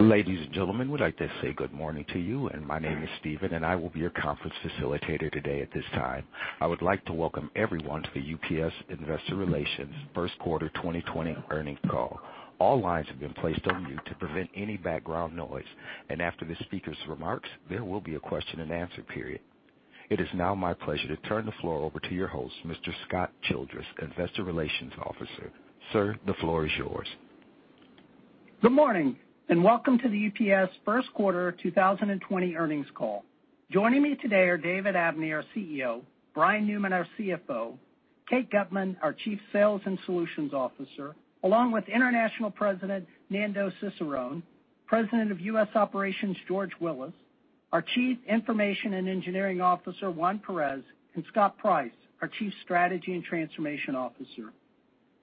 Ladies and gentlemen, we'd like to say good morning to you, and my name is Steven, and I will be your conference facilitator today. At this time, I would like to welcome everyone to the UPS Investor Relations first quarter 2020 earnings call. All lines have been placed on mute to prevent any background noise, and after the speaker's remarks, there will be a question and answer period. It is now my pleasure to turn the floor over to your host, Mr. Scott Childress, Investor Relations Officer. Sir, the floor is yours. Good morning. Welcome to the UPS first quarter 2020 earnings call. Joining me today are David Abney, our Chief Executive Officer, Brian Newman, our Chief Financial Officer, Kate Gutmann, our Chief Sales and Solutions Officer, along with International President, Nando Cesarone, President of U.S. Operations, George Willis, our Chief Information and Engineering Officer, Juan Perez, and Scott Price, our Chief Strategy and Transformation Officer.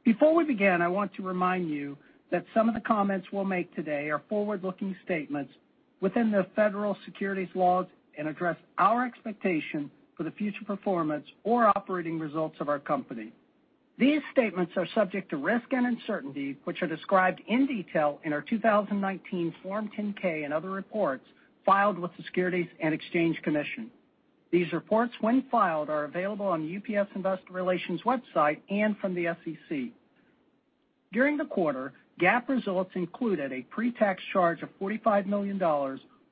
Before we begin, I want to remind you that some of the comments we'll make today are forward-looking statements within the federal securities laws and address our expectation for the future performance or operating results of our company. These statements are subject to risk and uncertainty, which are described in detail in our 2019 Form 10-K and other reports filed with the Securities and Exchange Commission. These reports, when filed, are available on the UPS Investor Relations website and from the SEC. During the quarter, GAAP results included a pre-tax charge of $45 million,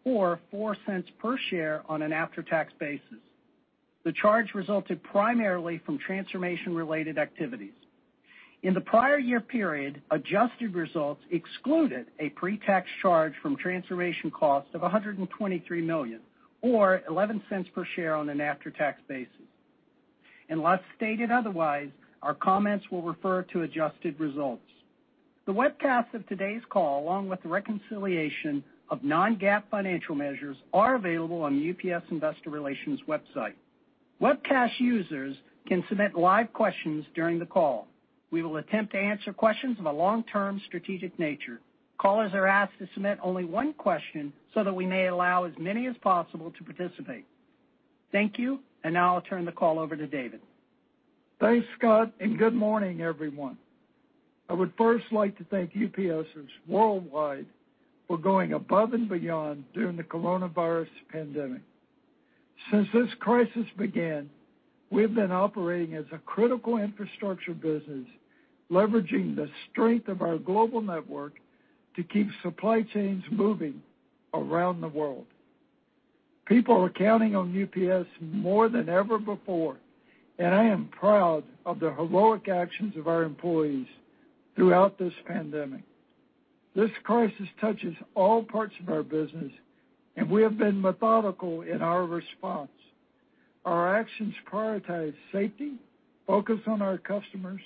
or $0.04 per share on an after-tax basis. The charge resulted primarily from transformation-related activities. In the prior year period, adjusted results excluded a pre-tax charge from transformation cost of $123 million, or $0.11 per share on an after-tax basis. Unless stated otherwise, our comments will refer to adjusted results. The webcast of today's call, along with the reconciliation of non-GAAP financial measures, are available on the UPS Investor Relations website. Webcast users can submit live questions during the call. We will attempt to answer questions of a long-term strategic nature. Callers are asked to submit only one question so that we may allow as many as possible to participate. Thank you. Now I'll turn the call over to David Abney. Thanks, Scott, and good morning, everyone. I would first like to thank UPSers worldwide for going above and beyond during the coronavirus pandemic. Since this crisis began, we've been operating as a critical infrastructure business, leveraging the strength of our global network to keep supply chains moving around the world. People are counting on UPS more than ever before, and I am proud of the heroic actions of our employees throughout this pandemic. This crisis touches all parts of our business, and we have been methodical in our response. Our actions prioritize safety, focus on our customers,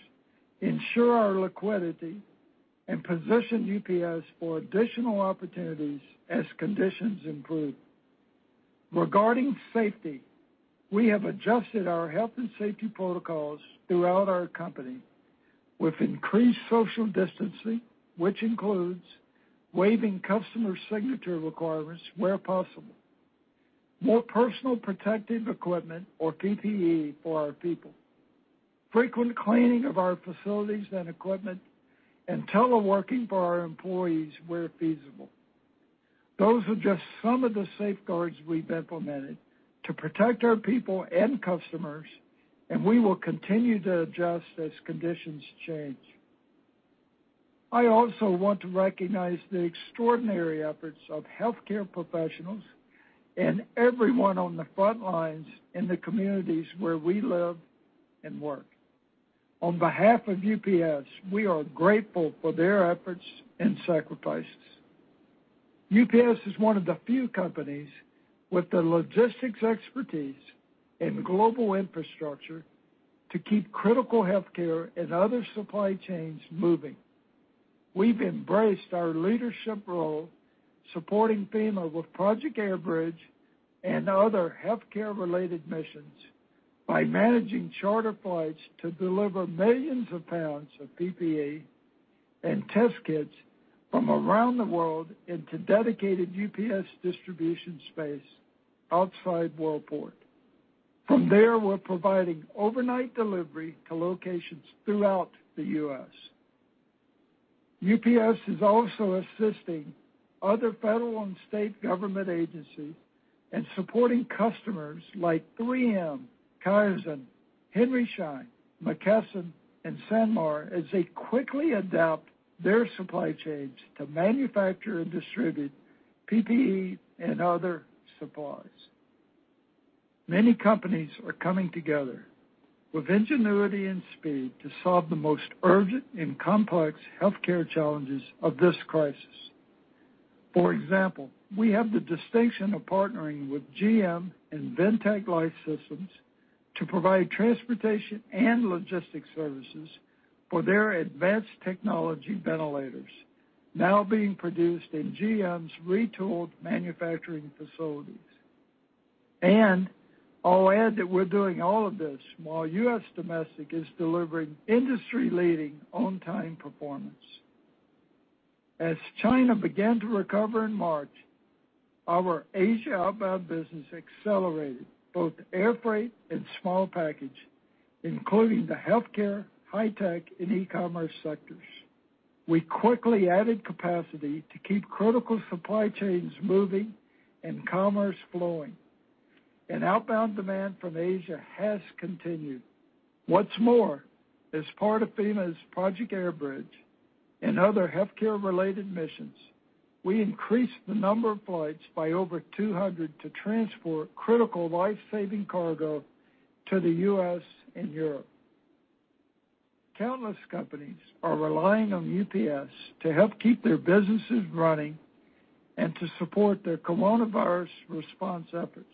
ensure our liquidity, and position UPS for additional opportunities as conditions improve. Regarding safety, we have adjusted our health and safety protocols throughout our company with increased social distancing, which includes waiving customer signature requirements where possible, more personal protective equipment, or PPE, for our people, frequent cleaning of our facilities and equipment, and teleworking for our employees where feasible. Those are just some of the safeguards we've implemented to protect our people and customers, and we will continue to adjust as conditions change. I also want to recognize the extraordinary efforts of healthcare professionals and everyone on the front lines in the communities where we live and work. On behalf of UPS, we are grateful for their efforts and sacrifices. UPS is one of the few companies with the logistics expertise and global infrastructure to keep critical healthcare and other supply chains moving. We've embraced our leadership role supporting Federal Emergency Management Agency with Project Airbridge and other healthcare-related missions by managing charter flights to deliver millions of pounds of PPE and test kits from around the world into dedicated UPS distribution space outside Worldport. From there, we're providing overnight delivery to locations throughout the U.S. UPS is also assisting other federal and state government agencies and supporting customers like 3M, Qiagen, Henry Schein, McKesson, and SanMar as they quickly adapt their supply chains to manufacture and distribute PPE and other supplies. Many companies are coming together with ingenuity and speed to solve the most urgent and complex healthcare challenges of this crisis. For example, we have the distinction of partnering with GM and Ventec Life Systems to provide transportation and logistics services for their advanced technology ventilators now being produced in GM's retooled manufacturing facilities. I'll add that we're doing all of this while U.S. Domestic is delivering industry-leading on-time performance. As China began to recover in March, our Asia outbound business accelerated both air freight and small package, including the healthcare, high tech, and e-commerce sectors. We quickly added capacity to keep critical supply chains moving and commerce flowing, and outbound demand from Asia has continued. What's more, as part of FEMA's Project Air Bridge and other healthcare related missions, we increased the number of flights by over 200 to transport critical life-saving cargo to the U.S. and Europe. Countless companies are relying on UPS to help keep their businesses running and to support their coronavirus response efforts.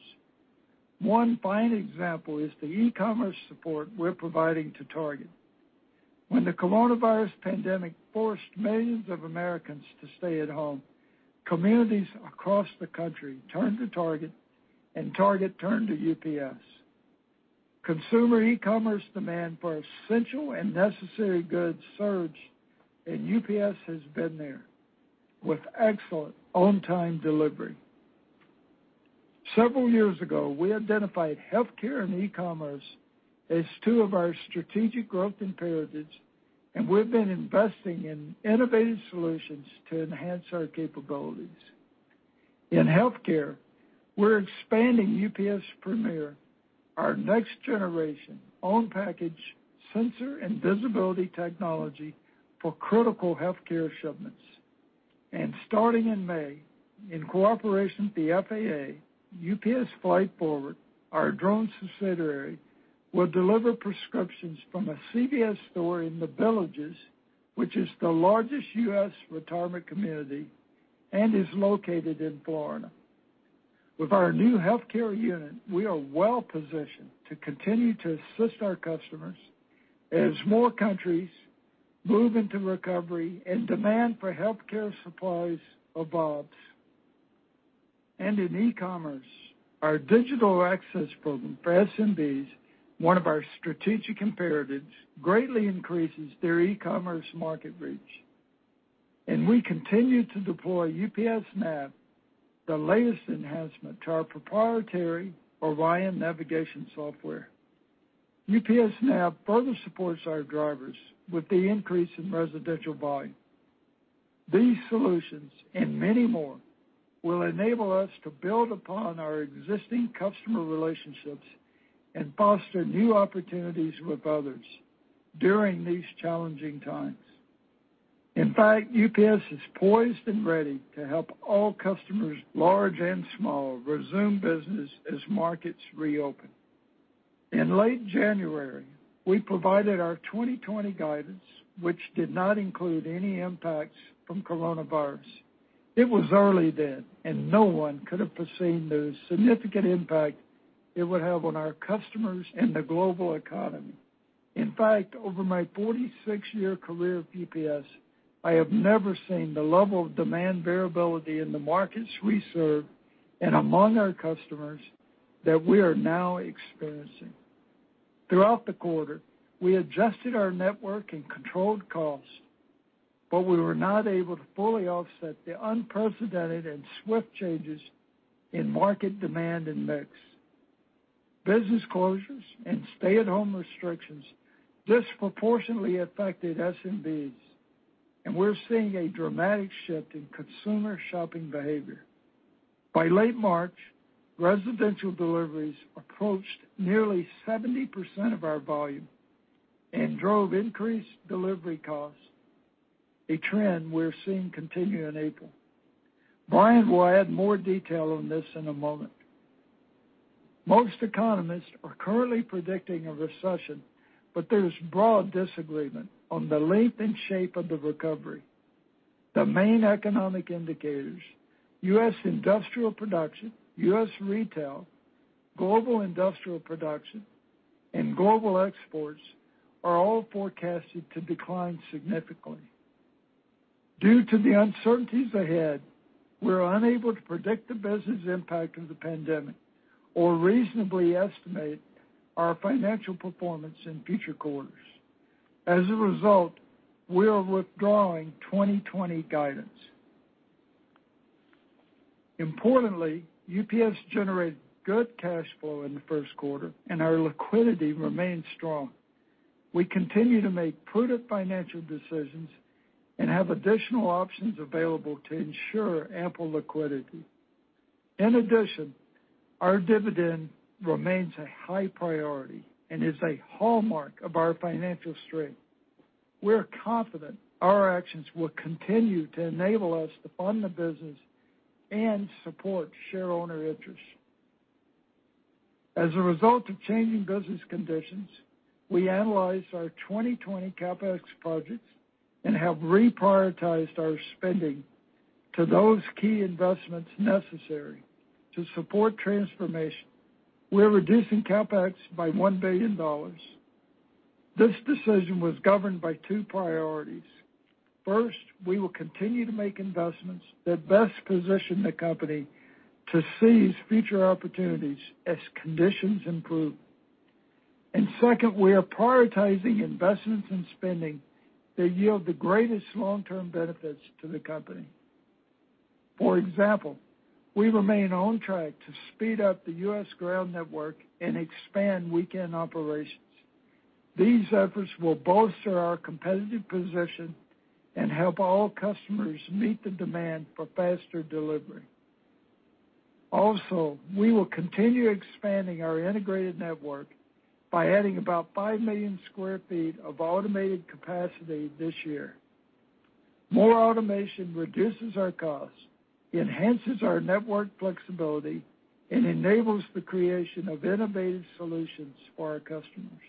One fine example is the e-commerce support we're providing to Target. When the coronavirus pandemic forced millions of Americans to stay at home, communities across the country turned to Target and Target turned to UPS. Consumer e-commerce demand for essential and necessary goods surged, and UPS has been there with excellent on-time delivery. Several years ago, we identified healthcare and e-commerce as two of our strategic growth imperatives, and we've been investing in innovative solutions to enhance our capabilities. In healthcare, we're expanding UPS Premier, our next generation own package sensor and visibility technology for critical healthcare shipments. Starting in May, in cooperation with the FAA, UPS Flight Forward, our drones subsidiary, will deliver prescriptions from a CVS store in The Villages, which is the largest U.S. retirement community and is located in Florida. With our new healthcare unit, we are well positioned to continue to assist our customers as more countries move into recovery and demand for healthcare supplies evolves. In e-commerce, our Digital Access Program for small and medium-sized businesses, one of our strategic imperatives, greatly increases their e-commerce market reach. We continue to deploy UPSNav, the latest enhancement to our proprietary ORION navigation software. UPSNav further supports our drivers with the increase in residential volume. These solutions and many more will enable us to build upon our existing customer relationships and foster new opportunities with others during these challenging times. In fact, UPS is poised and ready to help all customers, large and small, resume business as markets reopen. In late January, we provided our 2020 guidance, which did not include any impacts from coronavirus. It was early then, and no one could have foreseen the significant impact it would have on our customers and the global economy. In fact, over my 46-year career at UPS, I have never seen the level of demand variability in the markets we serve and among our customers that we are now experiencing. Throughout the quarter, we adjusted our network and controlled costs, but we were not able to fully offset the unprecedented and swift changes in market demand and mix. Business closures and stay-at-home restrictions disproportionately affected SMBs, and we're seeing a dramatic shift in consumer shopping behavior. By late March, residential deliveries approached nearly 70% of our volume and drove increased delivery costs, a trend we're seeing continue in April. Brian will add more detail on this in a moment. Most economists are currently predicting a recession, but there is broad disagreement on the length and shape of the recovery. The main economic indicators, U.S. industrial production, U.S. retail, global industrial production, and global exports, are all forecasted to decline significantly. Due to the uncertainties ahead, we're unable to predict the business impact of the pandemic or reasonably estimate our financial performance in future quarters. As a result, we are withdrawing 2020 guidance. Importantly, UPS generated good cash flow in the first quarter, and our liquidity remains strong. We continue to make prudent financial decisions and have additional options available to ensure ample liquidity. In addition, our dividend remains a high priority and is a hallmark of our financial strength. We're confident our actions will continue to enable us to fund the business and support shareowner interest. As a result of changing business conditions, we analyzed our 2020 CapEx projects and have reprioritized our spending to those key investments necessary to support transformation. We're reducing CapEx by $1 billion. This decision was governed by two priorities. First, we will continue to make investments that best position the company to seize future opportunities as conditions improve. Second, we are prioritizing investments in spending that yield the greatest long-term benefits to the company. For example, we remain on track to speed up the U.S. ground network and expand weekend operations. These efforts will bolster our competitive position and help all customers meet the demand for faster delivery. Also, we will continue expanding our integrated network by adding about 5 million sq ft of automated capacity this year. More automation reduces our costs, enhances our network flexibility, and enables the creation of innovative solutions for our customers.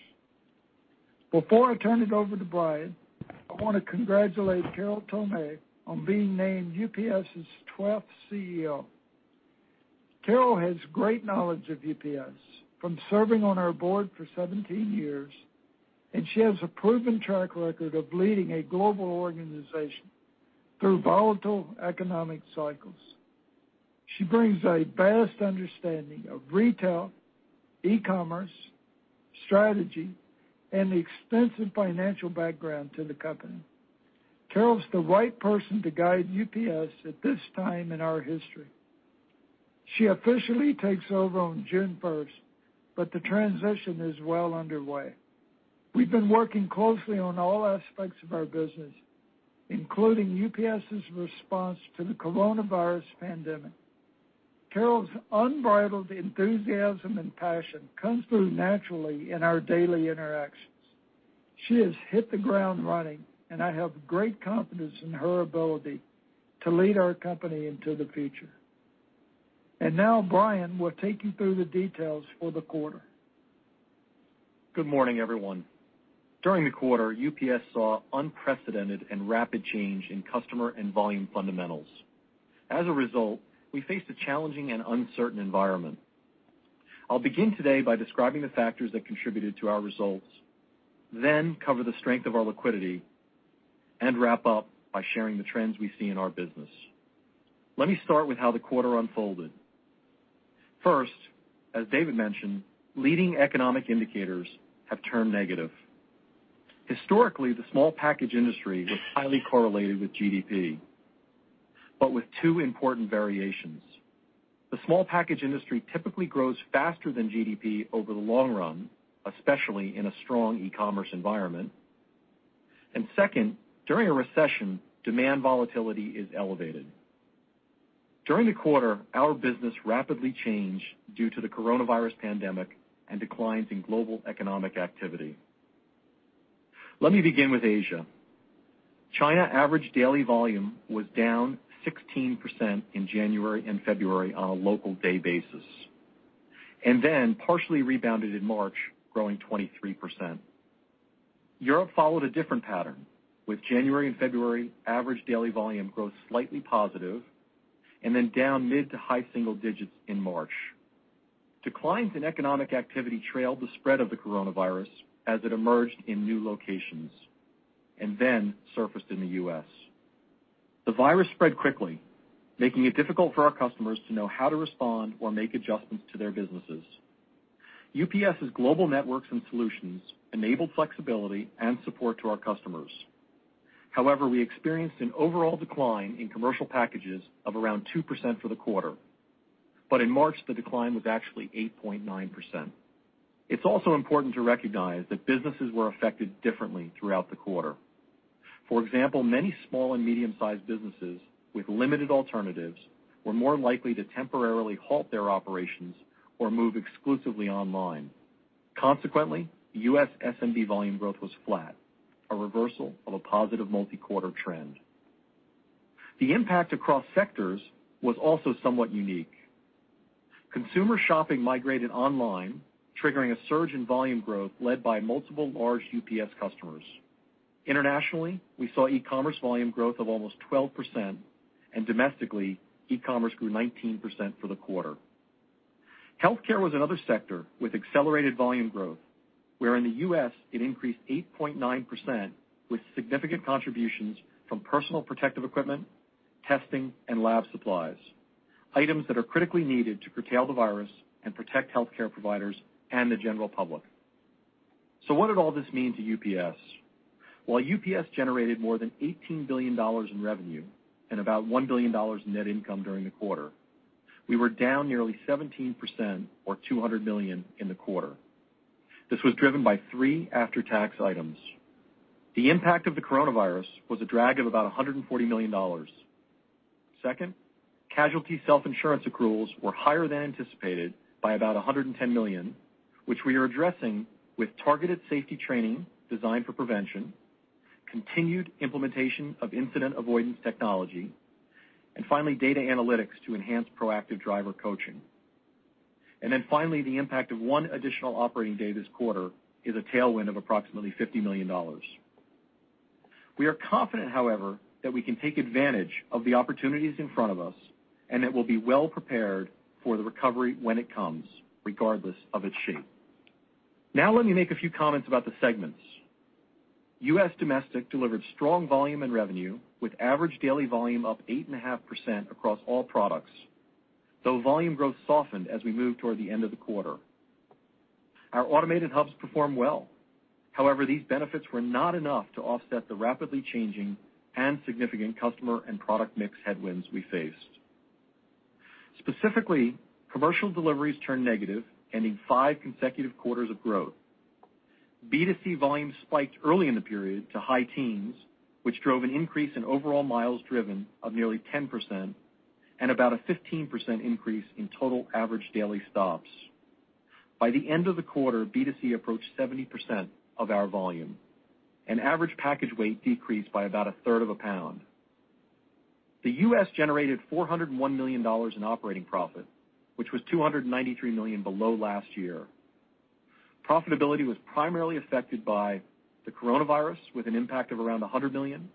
Before I turn it over to Brian, I want to congratulate Carol Tomé on being named UPS's 12th CEO. Carol has great knowledge of UPS from serving on our board for 17 years, and she has a proven track record of leading a global organization through volatile economic cycles. She brings a vast understanding of retail, e-commerce, strategy, and extensive financial background to the company. Carol is the right person to guide UPS at this time in our history. She officially takes over on June 1st. The transition is well underway. We've been working closely on all aspects of our business, including UPS's response to the coronavirus pandemic. Carol's unbridled enthusiasm and passion comes through naturally in our daily interactions. She has hit the ground running. I have great confidence in her ability to lead our company into the future. Now Brian Newman will take you through the details for the quarter. Good morning, everyone. During the quarter, UPS saw unprecedented and rapid change in customer and volume fundamentals. As a result, we faced a challenging and uncertain environment. I'll begin today by describing the factors that contributed to our results, then cover the strength of our liquidity and wrap up by sharing the trends we see in our business. Let me start with how the quarter unfolded. First, as David mentioned, leading economic indicators have turned negative. Historically, the small package industry was highly correlated with gross domestic product, but with two important variations. The small package industry typically grows faster than GDP over the long run, especially in a strong e-commerce environment. Second, during a recession, demand volatility is elevated. During the quarter, our business rapidly changed due to the coronavirus pandemic and declines in global economic activity. Let me begin with Asia. China average daily volume was down 16% in January and February on a local day basis, and then partially rebounded in March, growing 23%. Europe followed a different pattern, with January and February average daily volume growth slightly positive and then down mid to high single digits in March. Declines in economic activity trailed the spread of the coronavirus as it emerged in new locations and then surfaced in the U.S. The virus spread quickly, making it difficult for our customers to know how to respond or make adjustments to their businesses. UPS's global networks and solutions enabled flexibility and support to our customers. However, we experienced an overall decline in commercial packages of around 2% for the quarter. In March, the decline was actually 8.9%. It's also important to recognize that businesses were affected differently throughout the quarter. For example, many small and medium-sized businesses with limited alternatives were more likely to temporarily halt their operations or move exclusively online. Consequently, U.S. SMB volume growth was flat, a reversal of a positive multi-quarter trend. The impact across sectors was also somewhat unique. Consumer shopping migrated online, triggering a surge in volume growth led by multiple large UPS customers. Internationally, we saw e-commerce volume growth of almost 12%, and domestically, e-commerce grew 19% for the quarter. Healthcare was another sector with accelerated volume growth, where in the U.S. it increased 8.9% with significant contributions from personal protective equipment, testing, and lab supplies, items that are critically needed to curtail the virus and protect healthcare providers and the general public. What did all this mean to UPS? While UPS generated more than $18 billion in revenue and about $1 billion in net income during the quarter, we were down nearly 17% or $200 million in the quarter. This was driven by three after-tax items. The impact of the coronavirus was a drag of about $140 million. Second, casualty self-insurance accruals were higher than anticipated by about $110 million, which we are addressing with targeted safety training designed for prevention, continued implementation of incident avoidance technology, and finally, data analytics to enhance proactive driver coaching. Finally, the impact of one additional operating day this quarter is a tailwind of approximately $50 million. We are confident, however, that we can take advantage of the opportunities in front of us and that we'll be well prepared for the recovery when it comes, regardless of its shape. Now let me make a few comments about the segments. U.S. domestic delivered strong volume and revenue with average daily volume up 8.5% across all products, though volume growth softened as we moved toward the end of the quarter. Our automated hubs performed well. These benefits were not enough to offset the rapidly changing and significant customer and product mix headwinds we faced. Specifically, commercial deliveries turned negative, ending five consecutive quarters of growth. Business-to-consumer volume spiked early in the period to high teens, which drove an increase in overall miles driven of nearly 10% and about a 15% increase in total average daily stops. By the end of the quarter, B2C approached 70% of our volume and average package weight decreased by about a third of a pound. The U.S. generated $401 million in operating profit, which was $293 million below last year. Profitability was primarily affected by the coronavirus, with an impact of around $100 million,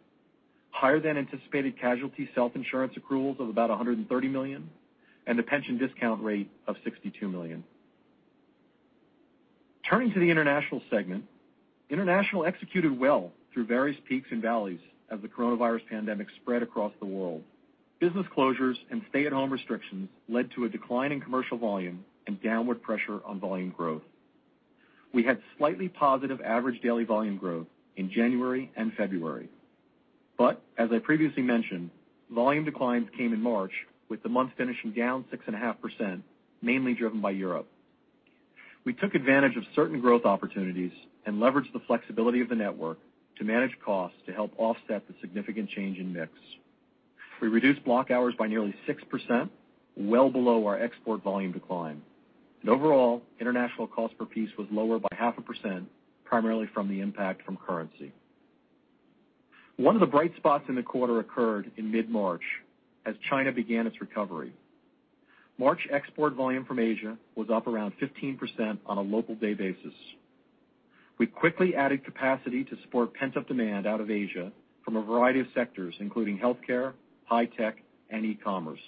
higher than anticipated casualty self-insurance accruals of about $130 million, and a pension discount rate of $62 million. Turning to the international segment, international executed well through various peaks and valleys as the coronavirus pandemic spread across the world. Business closures and stay-at-home restrictions led to a decline in commercial volume and downward pressure on volume growth. We had slightly positive average daily volume growth in January and February. As I previously mentioned, volume declines came in March with the month finishing down 6.5%, mainly driven by Europe. We took advantage of certain growth opportunities and leveraged the flexibility of the network to manage costs to help offset the significant change in mix. We reduced block hours by nearly 6%, well below our export volume decline. Overall, international cost per piece was lower by 0.5%, primarily from the impact from currency. One of the bright spots in the quarter occurred in mid-March as China began its recovery. March export volume from Asia was up around 15% on a local day basis. We quickly added capacity to support pent-up demand out of Asia from a variety of sectors, including healthcare, high tech, and e-commerce.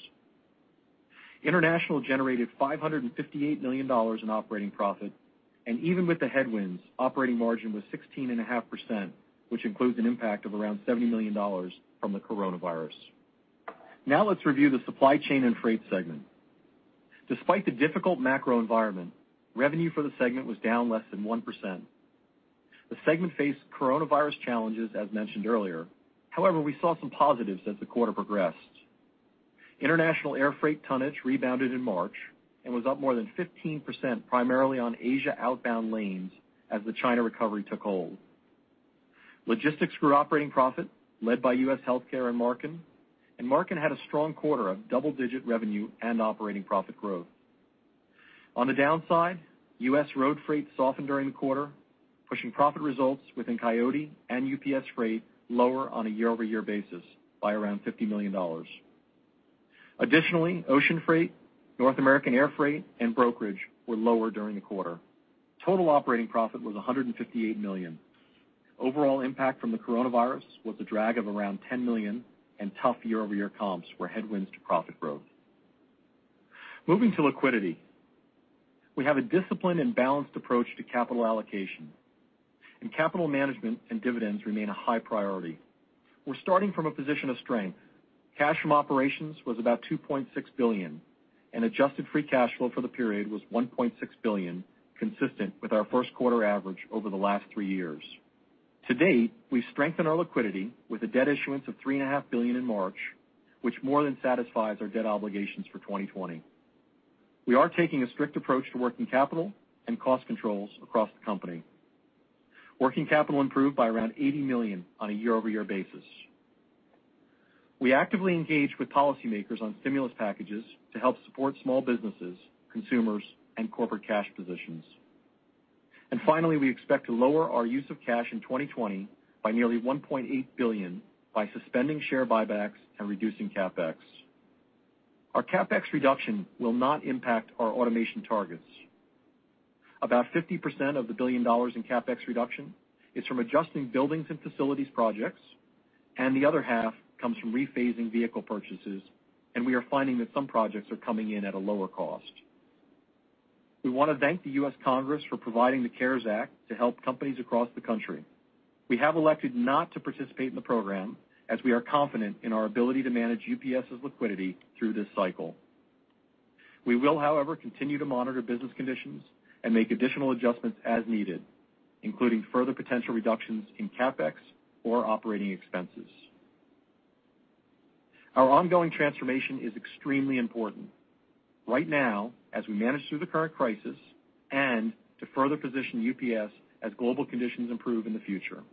International generated $558 million in operating profit. Even with the headwinds, operating margin was 16.5%, which includes an impact of around $70 million from the coronavirus. Let's review the Supply Chain & Freight segment. Despite the difficult macro environment, revenue for the segment was down less than 1%. The segment faced coronavirus challenges as mentioned earlier. We saw some positives as the quarter progressed. International airfreight tonnage rebounded in March and was up more than 15%, primarily on Asia outbound lanes as the China recovery took hold. Logistics grew operating profit led by U.S. Healthcare and Marken, and Marken had a strong quarter of double-digit revenue and operating profit growth. On the downside, U.S. road freight softened during the quarter, pushing profit results within Coyote and UPS rate lower on a year-over-year basis by around $50 million. Additionally, ocean freight, North American airfreight, and brokerage were lower during the quarter. Total operating profit was $158 million. Overall impact from the coronavirus was a drag of around $10 million and tough year-over-year comps were headwinds to profit growth. Moving to liquidity. We have a disciplined and balanced approach to capital allocation, and capital management and dividends remain a high priority. We're starting from a position of strength. Cash from operations was about $2.6 billion and adjusted free cash flow for the period was $1.6 billion, consistent with our first quarter average over the last three years. To date, we've strengthened our liquidity with a debt issuance of $3.5 billion in March, which more than satisfies our debt obligations for 2020. We are taking a strict approach to working capital and cost controls across the company. Working capital improved by around $80 million on a year-over-year basis. We actively engage with policymakers on stimulus packages to help support small businesses, consumers, and corporate cash positions. Finally, we expect to lower our use of cash in 2020 by nearly $1.8 billion by suspending share buybacks and reducing CapEx. Our CapEx reduction will not impact our automation targets. About 50% of the $1 billion in CapEx reduction is from adjusting buildings and facilities projects, and the other half comes from rephasing vehicle purchases, and we are finding that some projects are coming in at a lower cost. We want to thank the U.S. Congress for providing the CARES Act to help companies across the country. We have elected not to participate in the program, as we are confident in our ability to manage UPS's liquidity through this cycle. We will, however, continue to monitor business conditions and make additional adjustments as needed, including further potential reductions in CapEx or operating expenses. Our ongoing transformation is extremely important right now as we manage through the current crisis and to further position UPS as global conditions improve in the future.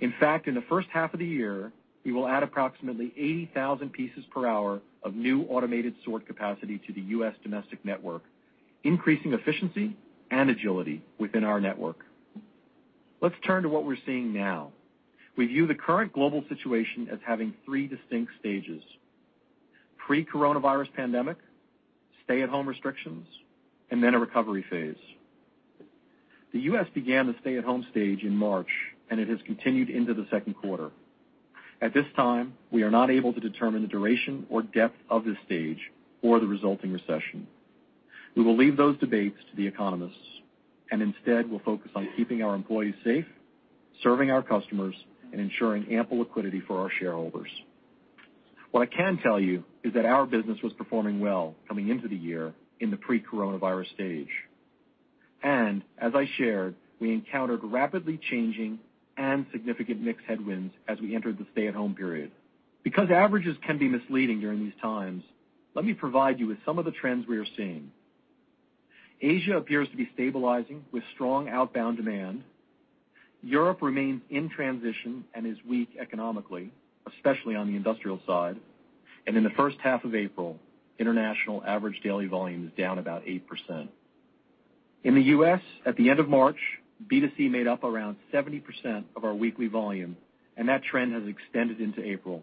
In fact, in the first half of the year, we will add approximately 80,000 pieces per hour of new automated sort capacity to the U.S. domestic network, increasing efficiency and agility within our network. Let's turn to what we're seeing now. We view the current global situation as having three distinct stages: pre-coronavirus pandemic, stay-at-home restrictions, and then a recovery phase. The U.S. began the stay-at-home stage in March, and it has continued into the second quarter. At this time, we are not able to determine the duration or depth of this stage or the resulting recession. We will leave those debates to the economists, and instead, we'll focus on keeping our employees safe, serving our customers, and ensuring ample liquidity for our shareholders. What I can tell you is that our business was performing well coming into the year in the pre-coronavirus stage. As I shared, we encountered rapidly changing and significant mixed headwinds as we entered the stay-at-home period. Because averages can be misleading during these times, let me provide you with some of the trends we are seeing. Asia appears to be stabilizing with strong outbound demand. Europe remains in transition and is weak economically, especially on the industrial side. In the first half of April, international average daily volume is down about 8%. In the U.S., at the end of March, B2C made up around 70% of our weekly volume, and that trend has extended into April.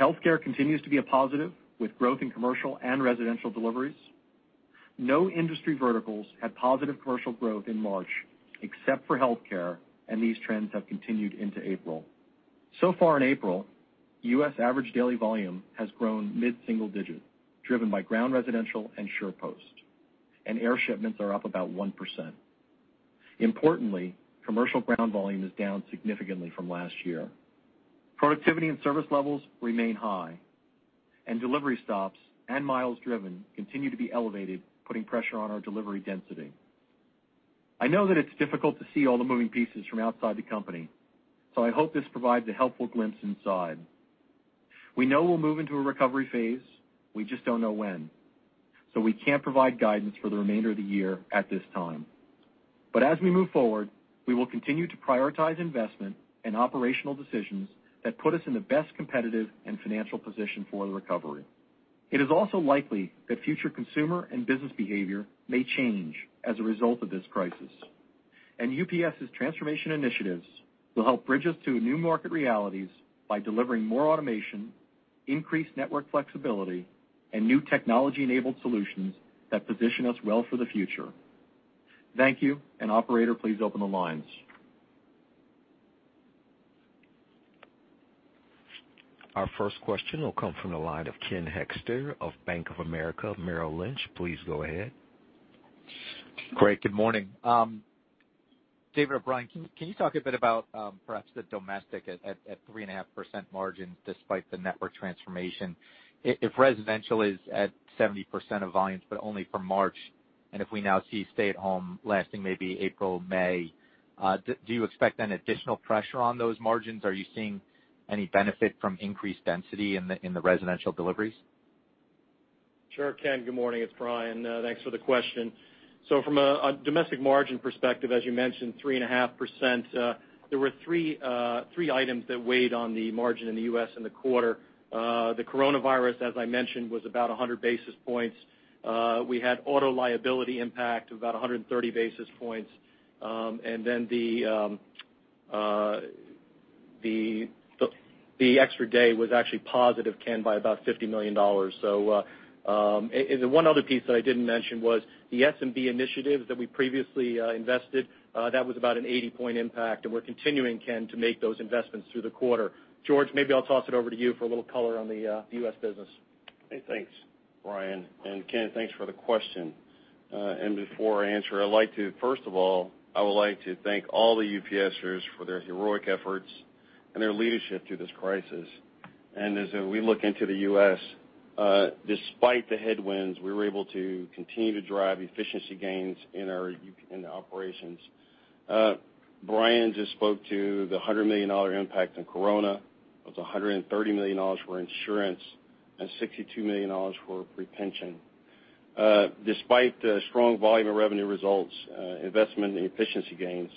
healthcare continues to be a positive, with growth in commercial and residential deliveries. No industry verticals had positive commercial growth in March except for healthcare, and these trends have continued into April. So far in April, U.S. average daily volume has grown mid-single digit, driven by ground residential and SurePost, and air shipments are up about 1%. Importantly, commercial ground volume is down significantly from last year. Productivity and service levels remain high, and delivery stops and miles driven continue to be elevated, putting pressure on our delivery density. I know that it's difficult to see all the moving pieces from outside the company, so I hope this provides a helpful glimpse inside. We know we'll move into a recovery phase. We just don't know when, so we can't provide guidance for the remainder of the year at this time. As we move forward, we will continue to prioritize investment and operational decisions that put us in the best competitive and financial position for the recovery. It is also likely that future consumer and business behavior may change as a result of this crisis. UPS's transformation initiatives will help bridge us to new market realities by delivering more automation, increased network flexibility, and new technology-enabled solutions that position us well for the future. Thank you. Operator, please open the lines. Our first question will come from the line of Ken Hoexter of Bank of America. Please go ahead. Great. Good morning. David or Brian, can you talk a bit about perhaps the domestic at 3.5% margin despite the network transformation? If residential is at 70% of volumes, but only for March, and if we now see stay at home lasting maybe April, May, do you expect then additional pressure on those margins? Are you seeing any benefit from increased density in the residential deliveries? Sure, Ken. Good morning. It's Brian. Thanks for the question. From a domestic margin perspective, as you mentioned, 3.5%, there were three items that weighed on the margin in the U.S. in the quarter. The Coronavirus, as I mentioned, was about 100 basis points. We had auto liability impact of about 130 basis points. The extra day was actually positive, Ken, by about $50 million. The one other piece that I didn't mention was the SMB initiative that we previously invested. That was about an 80-point impact, and we're continuing, Ken, to make those investments through the quarter. George Willis, maybe I'll toss it over to you for a little color on the U.S. business. Hey, thanks, Brian. Ken, thanks for the question. Before I answer, I would like to thank all the UPSers for their heroic efforts and their leadership through this crisis. As we look into the U.S., despite the headwinds, we were able to continue to drive efficiency gains in the operations. Brian just spoke to the $100 million impact in corona. It was $130 million for insurance and $62 million for pre-pension. Despite the strong volume of revenue results, investment, and efficiency gains,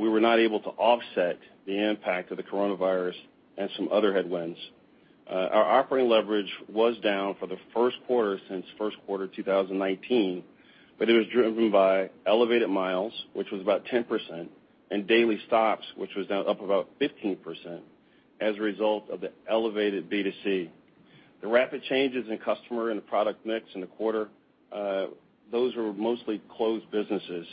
we were not able to offset the impact of the Coronavirus and some other headwinds. Our operating leverage was down for the first quarter since first quarter 2019, but it was driven by elevated miles, which was about 10%, and daily stops, which was now up about 15% as a result of the elevated B2C. The rapid changes in customer and the product mix in the quarter, those were mostly closed businesses.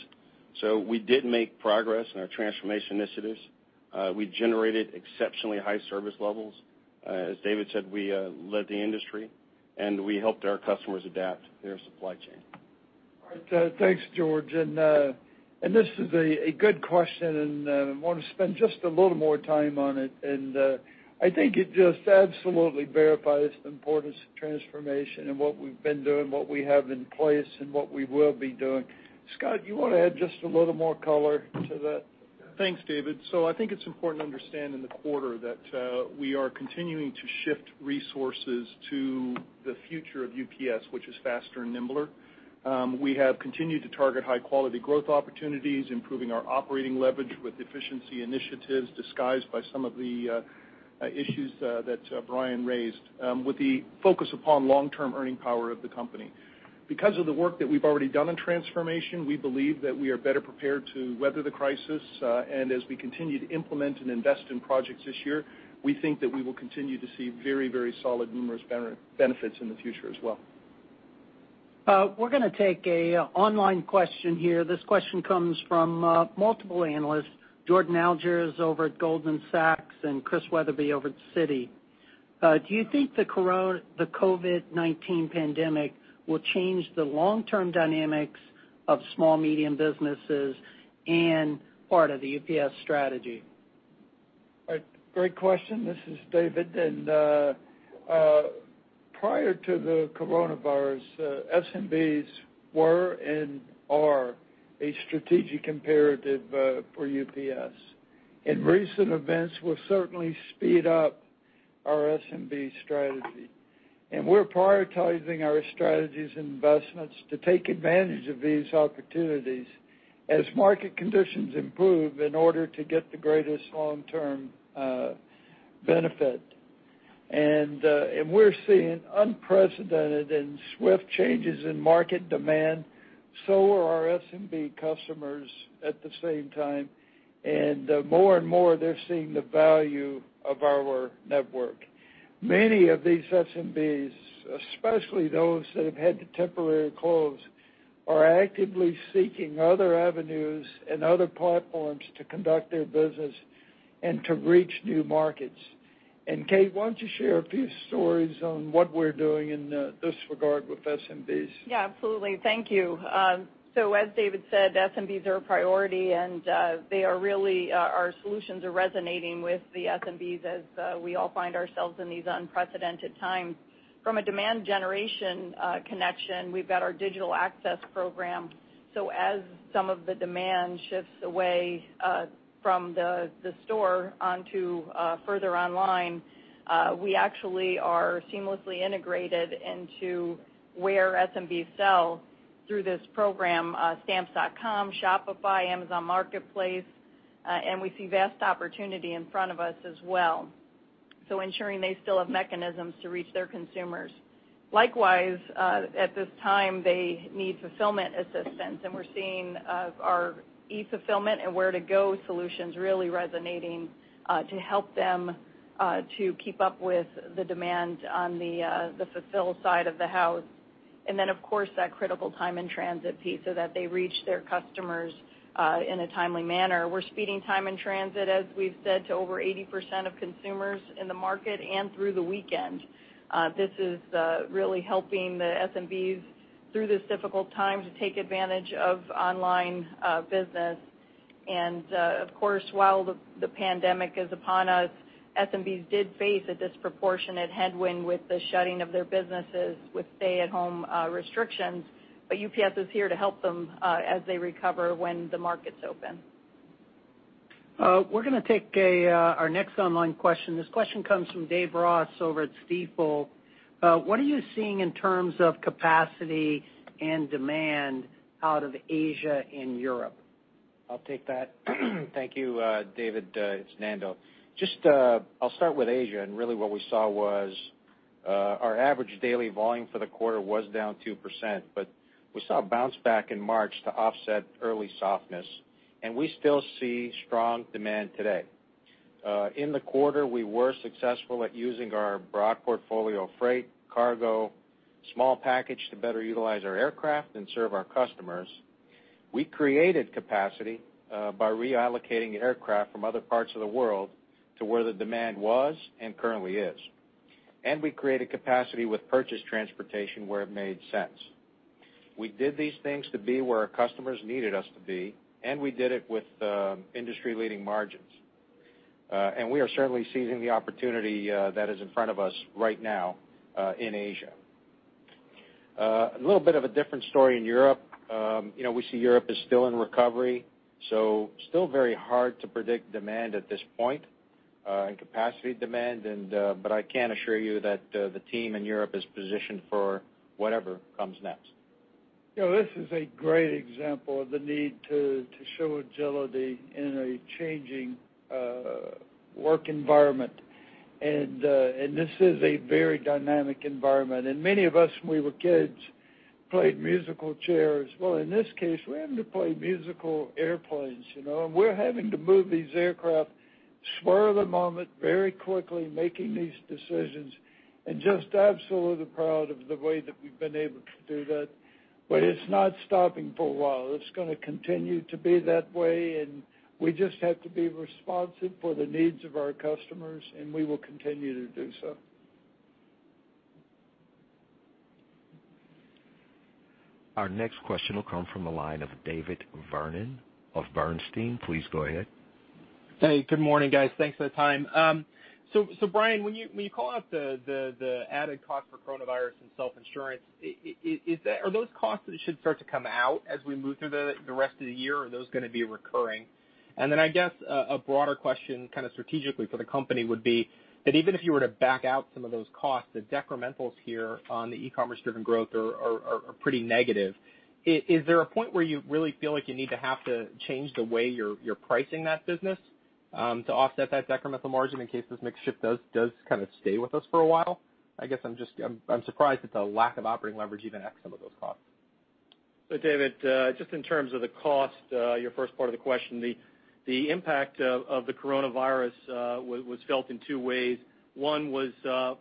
We did make progress in our transformation initiatives. We generated exceptionally high service levels. As David said, we led the industry, and we helped our customers adapt their supply chain. All right. Thanks, George. This is a good question, and I want to spend just a little more time on it. I think it just absolutely verifies the importance of transformation and what we've been doing, what we have in place, and what we will be doing. Scott, you want to add just a little more color to that? Thanks, David. I think it's important to understand in the quarter that we are continuing to shift resources to the future of UPS, which is faster and nimbler. We have continued to target high-quality growth opportunities, improving our operating leverage with efficiency initiatives disguised by some of the issues that Brian raised with the focus upon long-term earning power of the company. Because of the work that we've already done in transformation, we believe that we are better prepared to weather the crisis. As we continue to implement and invest in projects this year, we think that we will continue to see very, very solid, numerous benefits in the future as well. We're going to take an online question here. This question comes from multiple analysts, Jordan Alliger is over Goldman Sachs and Chris Wetherbee over at Citigroup. Do you think the COVID-19 pandemic will change the long-term dynamics of small, medium businesses and part of the UPS strategy? Great question. This is David. Prior to the coronavirus, SMBs were and are a strategic imperative for UPS. Recent events will certainly speed up our SMB strategy. We're prioritizing our strategies and investments to take advantage of these opportunities as market conditions improve in order to get the greatest long-term benefit. We're seeing unprecedented and swift changes in market demand. So are our SMB customers at the same time, and more and more, they're seeing the value of our network. Many of these SMBs, especially those that have had to temporarily close, are actively seeking other avenues and other platforms to conduct their business and to reach new markets. Kate Gutmann, why don't you share a few stories on what we're doing in this regard with SMBs? Absolutely. Thank you. As David said, SMBs are a priority, and they are really, our solutions are resonating with the SMBs as we all find ourselves in these unprecedented times. From a demand generation connection, we've got our Digital Access Program. As some of the demand shifts away from the store onto further online, we actually are seamlessly integrated into where SMBs sell through this program, Stamps.com, Shopify, Amazon Marketplace, and we see vast opportunity in front of us as well. Ensuring they still have mechanisms to reach their consumers. Likewise, at this time, they need fulfillment assistance, and we're seeing our eFulfillment and Ware2Go solutions really resonating, to help them, to keep up with the demand on the fulfill side of the house. Then, of course, that critical time and transit piece so that they reach their customers in a timely manner. We're speeding time in transit, as we've said, to over 80% of consumers in the market and through the weekend. This is really helping the SMBs through this difficult time to take advantage of online business. Of course, while the pandemic is upon us, SMBs did face a disproportionate headwind with the shutting of their businesses with stay-at-home restrictions. UPS is here to help them as they recover when the markets open. We're going to take our next online question. This question comes from Dave Ross over at Stifel. What are you seeing in terms of capacity and demand out of Asia and Europe? I'll take that. Thank you, David. It's Nando Cesarone. I'll start with Asia, and really what we saw was our average daily volume for the quarter was down 2%, but we saw a bounce back in March to offset early softness, and we still see strong demand today. In the quarter, we were successful at using our broad portfolio of freight, cargo, small package to better utilize our aircraft and serve our customers. We created capacity by reallocating aircraft from other parts of the world to where the demand was and currently is. We created capacity with purchase transportation where it made sense. We did these things to be where our customers needed us to be, and we did it with industry-leading margins. We are certainly seizing the opportunity that is in front of us right now in Asia. A little bit of a different story in Europe. We see Europe is still in recovery. Still very hard to predict demand at this point and capacity demand. I can assure you that the team in Europe is positioned for whatever comes next. This is a great example of the need to show agility in a changing work environment. This is a very dynamic environment. Many of us, when we were kids, played musical chairs. Well, in this case, we happen to play musical airplanes. We're having to move these aircraft spur of the moment, very quickly making these decisions and just absolutely proud of the way that we've been able to do that. It's not stopping for a while. It's going to continue to be that way, and we just have to be responsive for the needs of our customers, and we will continue to do so. Our next question will come from the line of David Vernon of Bernstein. Please go ahead. Hey, good morning, guys. Thanks for the time. Brian, when you call out the added cost for coronavirus and self-insurance, are those costs that should start to come out as we move through the rest of the year or are those going to be recurring? I guess a broader question kind of strategically for the company would be that even if you were to back out some of those costs, the decrementals here on the e-commerce driven growth are pretty negative. Is there a point where you really feel like you need to have to change the way you're pricing that business to offset that decremental margin in case this mix shift does kind of stay with us for a while? I guess I'm surprised at the lack of operating leverage even at some of those costs. David, just in terms of the cost, your first part of the question, the impact of the coronavirus was felt in two ways. One was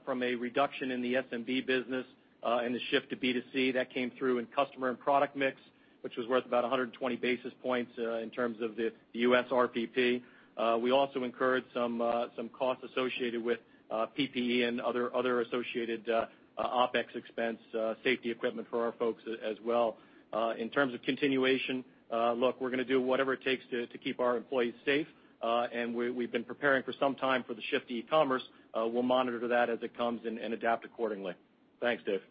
from a reduction in the SMB business, and the shift to B2C that came through in customer and product mix, which was worth about 120 basis points in terms of the U.S. RPP. We also incurred some costs associated with PPE and other associated OpEx expense safety equipment for our folks as well. In terms of continuation, look, we're going to do whatever it takes to keep our employees safe. We've been preparing for some time for the shift to e-commerce. We'll monitor that as it comes and adapt accordingly. Thanks, David.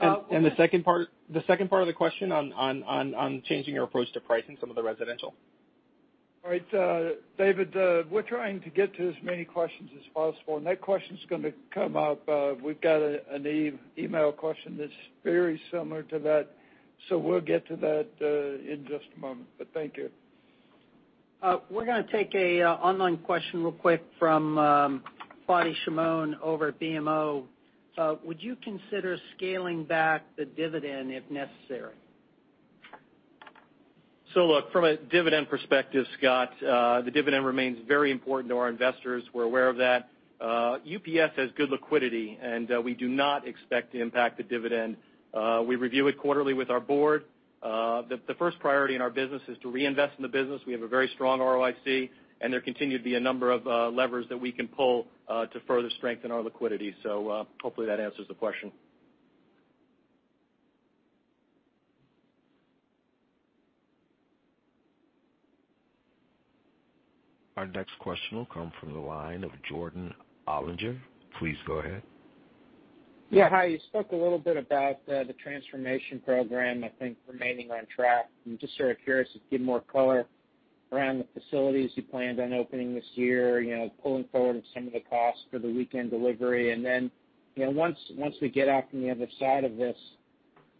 The second part of the question on changing your approach to pricing some of the residential. All right. David, we're trying to get to as many questions as possible. That question's going to come up. We've got an email question that's very similar to that. We'll get to that in just a moment. Thank you. We're going to take an online question real quick from Fadi Chamoun over at BMO. Would you consider scaling back the dividend if necessary? From a dividend perspective, Scott, the dividend remains very important to our investors. We're aware of that. UPS has good liquidity, we do not expect to impact the dividend. We review it quarterly with our board. The first priority in our business is to reinvest in the business. We have a very strong ROIC, there continue to be a number of levers that we can pull to further strengthen our liquidity. Hopefully that answers the question. Our next question will come from the line of Jordan Alliger. Please go ahead. Yeah. Hi. You spoke a little bit about the transformation program, I think, remaining on track. I'm just sort of curious to get more color around the facilities you planned on opening this year, pulling forward some of the costs for the weekend delivery. And then once we get out from the other side of this,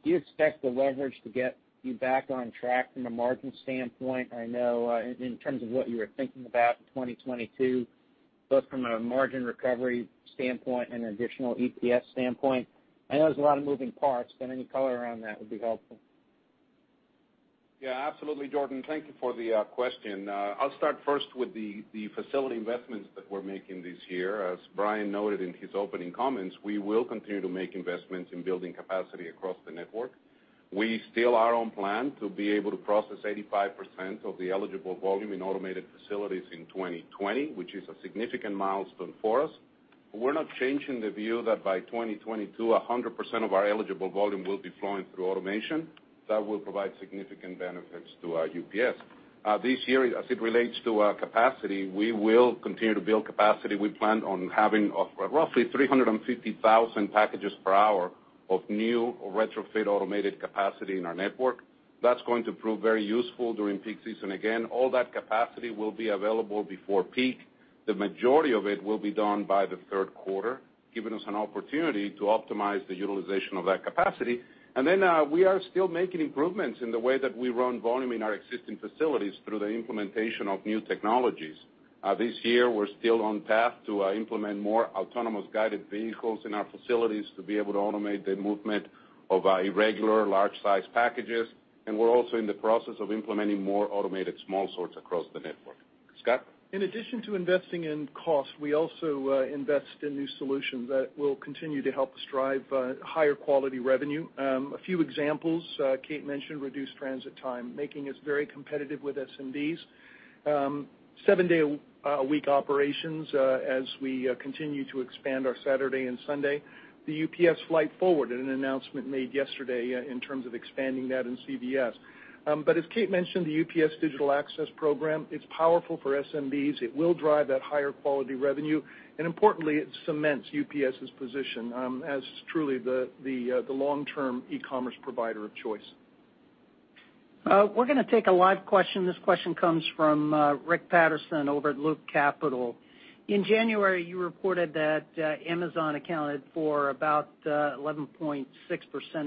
do you expect the leverage to get you back on track from a margin standpoint? I know in terms of what you were thinking about in 2022, both from a margin recovery standpoint and an additional EPS standpoint. I know there's a lot of moving parts, but any color around that would be helpful. Yeah, absolutely, Jordan. Thank you for the question. I'll start first with the facility investments that we're making this year. As Brian noted in his opening comments, we will continue to make investments in building capacity across the network. We still are on plan to be able to process 85% of the eligible volume in automated facilities in 2020, which is a significant milestone for us. We're not changing the view that by 2022, 100% of our eligible volume will be flowing through automation. That will provide significant benefits to our UPS. This year, as it relates to our capacity, we will continue to build capacity. We plan on having roughly 350,000 packages per hour of new or retrofit automated capacity in our network. That's going to prove very useful during peak season. Again, all that capacity will be available before peak. The majority of it will be done by the third quarter, giving us an opportunity to optimize the utilization of that capacity. We are still making improvements in the way that we run volume in our existing facilities through the implementation of new technologies. This year, we're still on path to implement more autonomous guided vehicles in our facilities to be able to automate the movement of irregular large-sized packages. We're also in the process of implementing more automated small sorts across the network. Scott Price? In addition to investing in cost, we also invest in new solutions that will continue to help us drive higher quality revenue. A few examples, Kate mentioned reduced transit time, making us very competitive with SMBs. Seven-day-a-week operations as we continue to expand our Saturday and Sunday. The UPS Flight Forward, an announcement made yesterday in terms of expanding that in CVS. As Kate mentioned, the UPS Digital Access Program, it's powerful for SMBs. It will drive that higher quality revenue, and importantly, it cements UPS's position as truly the long-term e-commerce provider of choice. We're going to take a live question. This question comes from Rick Patterson over at Loop Capital. In January, you reported that Amazon accounted for about 11.6%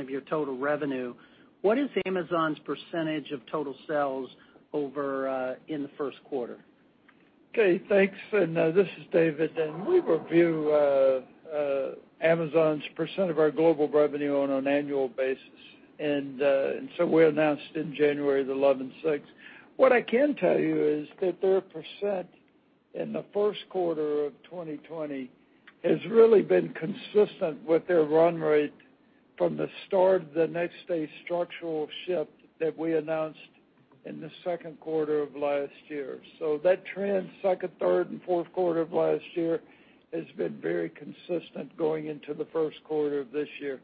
of your total revenue. What is Amazon's percentage of total sales over in the first quarter? Okay, thanks. This is David, and we review Amazon's percent of our global revenue on an annual basis. We announced in January the 11.6%. What I can tell you is that their percent in the first quarter of 2020 has really been consistent with their run rate from the start of the next day structural shift that we announced in the second quarter of last year. That trend, second, third, and fourth quarter of last year has been very consistent going into the first quarter of this year.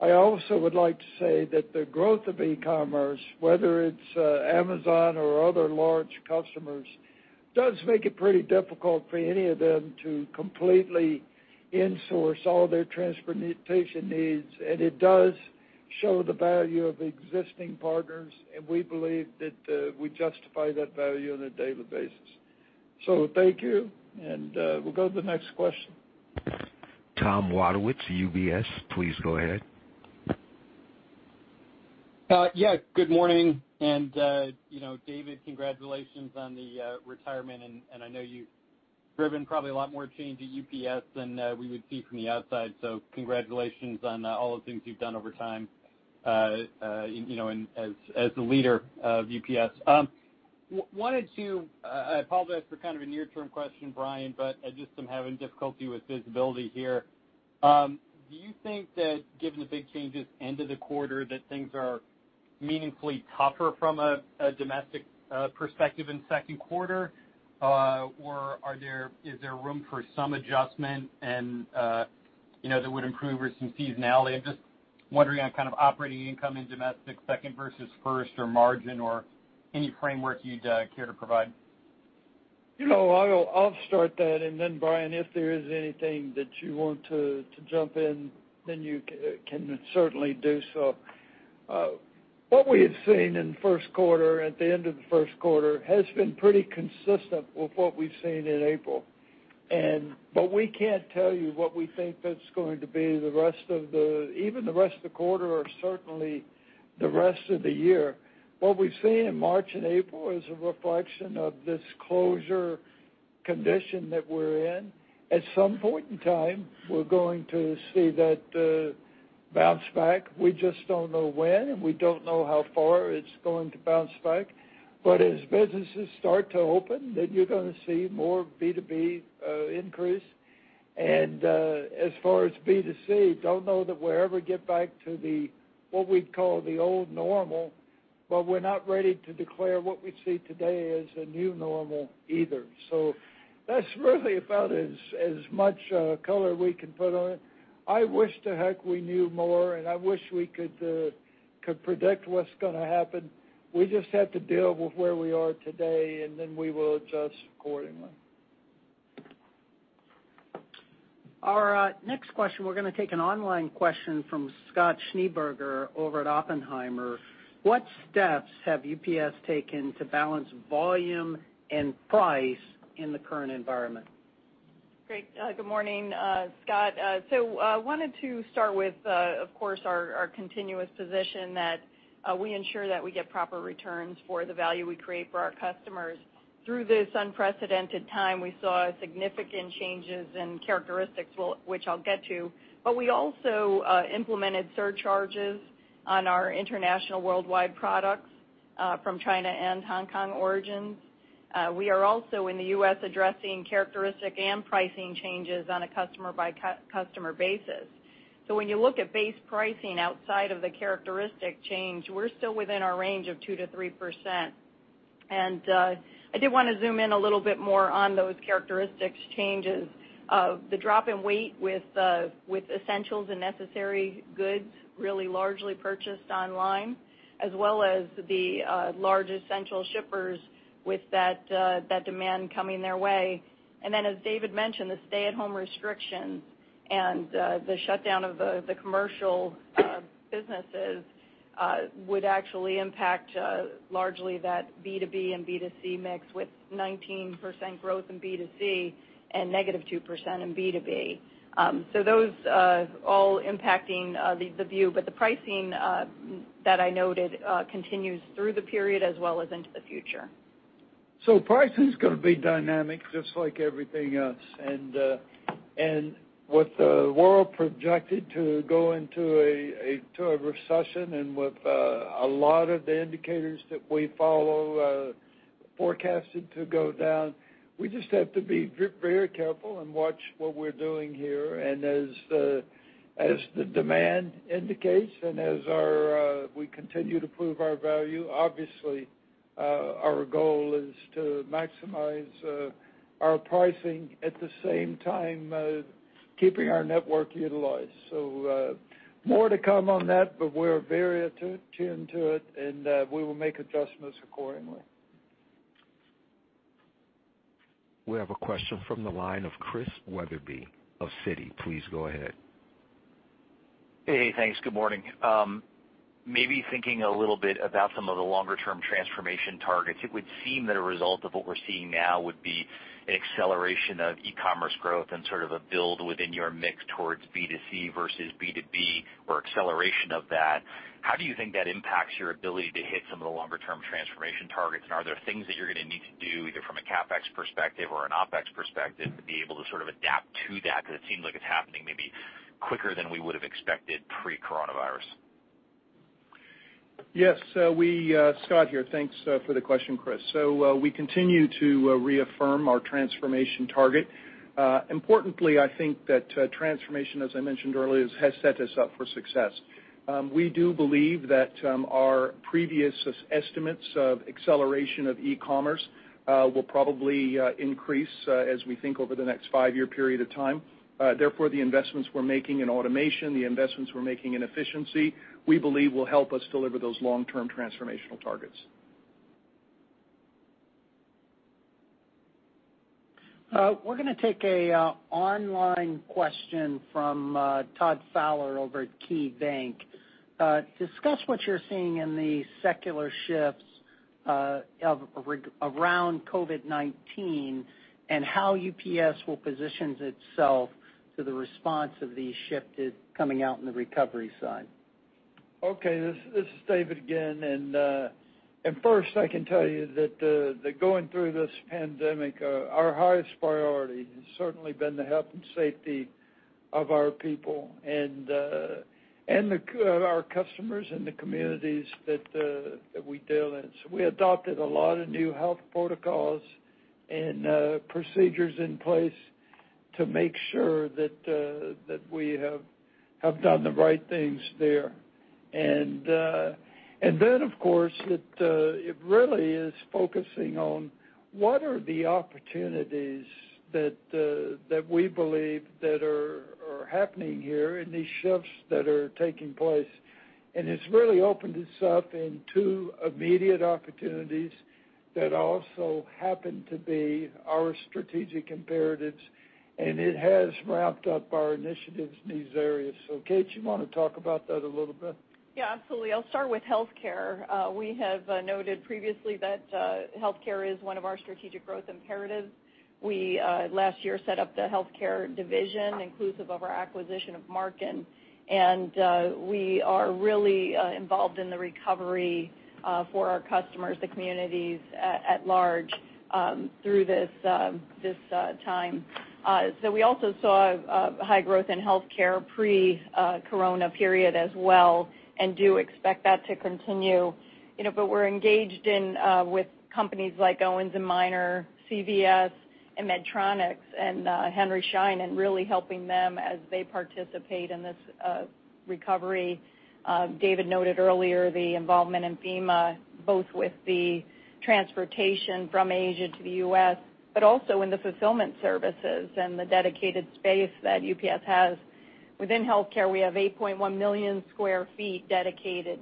I also would like to say that the growth of e-commerce, whether it's Amazon or other large customers, does make it pretty difficult for any of them to completely insource all their transportation needs, and it does show the value of existing partners, and we believe that we justify that value on a daily basis. Thank you, and we'll go to the next question. Tom Wadewitz, UBS, please go ahead. Good morning, David, congratulations on the retirement. I know you've driven probably a lot more change at UPS than we would see from the outside. Congratulations on all the things you've done over time as the leader of UPS. I apologize for a near-term question, Brian. I just am having difficulty with visibility here. Do you think that given the big changes end of the quarter, that things are meaningfully tougher from a domestic perspective in second quarter? Is there room for some adjustment that would improve or some seasonality? I'm just wondering on operating income in domestic second versus first or margin or any framework you'd care to provide. I'll start that, and then Brian, if there is anything that you want to jump in, then you can certainly do so. What we have seen in first quarter, at the end of the first quarter, has been pretty consistent with what we've seen in April. We can't tell you what we think that's going to be even the rest of the quarter, or certainly the rest of the year. What we've seen in March and April is a reflection of this closure condition that we're in. At some point in time, we're going to see that bounce back. We just don't know when. We don't know how far it's going to bounce back. As businesses start to open, then you're going to see more B2B increase. As far as B2C, don't know that we'll ever get back to the, what we'd call the old normal, but we're not ready to declare what we see today as a new normal either. That's really about as much color we can put on it. I wish to heck we knew more, and I wish we could predict what's going to happen. We just have to deal with where we are today, and then we will adjust accordingly. Our next question, we're going to take an online question from Scott Schneeberger over at Oppenheimer. What steps have UPS taken to balance volume and price in the current environment? Great. Good morning, Scott. Wanted to start with, of course, our continuous position that we ensure that we get proper returns for the value we create for our customers. Through this unprecedented time, we saw significant changes in characteristics, which I'll get to, but we also implemented surcharges on our international worldwide products from China and Hong Kong origins. We are also in the U.S. addressing characteristic and pricing changes on a customer-by-customer basis. When you look at base pricing outside of the characteristic change, we're still within our range of 2%-3%. I did want to zoom in a little bit more on those characteristics changes. The drop in weight with essentials and necessary goods really largely purchased online, as well as the large essential shippers with that demand coming their way. As David mentioned, the stay-at-home restrictions and the shutdown of the commercial businesses would actually impact largely that B2B and B2C mix with 19% growth in B2C and -2% in B2B. Those all impacting the view, but the pricing that I noted continues through the period as well as into the future. Pricing's going to be dynamic just like everything else. With the world projected to go into a recession and with a lot of the indicators that we follow forecasted to go down, we just have to be very careful and watch what we're doing here. As the demand indicates and as we continue to prove our value, obviously our goal is to maximize our pricing, at the same time, keeping our network utilized. More to come on that, but we're very attuned to it, and we will make adjustments accordingly. We have a question from the line of Chris Wetherbee of Citigroup. Please go ahead. Hey. Thanks. Good morning. Maybe thinking a little bit about some of the longer-term transformation targets, it would seem that a result of what we're seeing now would be an acceleration of e-commerce growth and sort of a build within your mix towards B2C versus B2B or acceleration of that. How do you think that impacts your ability to hit some of the longer-term transformation targets? Are there things that you're going to need to do either from a CapEx perspective or an OpEx perspective to be able to adapt to that? It seems like it's happening maybe quicker than we would've expected pre-coronavirus. Yes, Scott here. Thanks for the question, Chris. We continue to reaffirm our transformation target. Importantly, I think that transformation, as I mentioned earlier, has set us up for success. We do believe that our previous estimates of acceleration of e-commerce will probably increase as we think over the next five-year period of time. Therefore, the investments we're making in automation, the investments we're making in efficiency, we believe will help us deliver those long-term transformational targets. We're going to take an online question from Todd Fowler over at KeyBanc. Discuss what you're seeing in the secular shifts around COVID-19 and how UPS will position itself to the response of these shifted coming out in the recovery side. Okay, this is David again. First, I can tell you that going through this pandemic, our highest priority has certainly been the health and safety of our people and our customers in the communities that we deal in. We adopted a lot of new health protocols and procedures in place to make sure that we have done the right things there. Then, of course, it really is focusing on what are the opportunities that we believe that are happening here in these shifts that are taking place. It's really opened itself in two immediate opportunities that also happen to be our strategic imperatives, and it has ramped up our initiatives in these areas. Kate, you want to talk about that a little bit? Yeah, absolutely. I'll start with healthcare. We have noted previously that healthcare is one of our strategic growth imperatives. We, last year, set up the healthcare division inclusive of our acquisition of Marken. We are really involved in the recovery for our customers, the communities at large, through this time. We also saw high growth in healthcare pre-Corona period as well. We do expect that to continue. We're engaged in with companies like Owens & Minor, CVS, and Medtronic and Henry Schein, and really helping them as they participate in this recovery. David noted earlier the involvement in FEMA, both with the transportation from Asia to the U.S., but also in the fulfillment services and the dedicated space that UPS has. Within healthcare, we have 8.1 million square feet dedicated.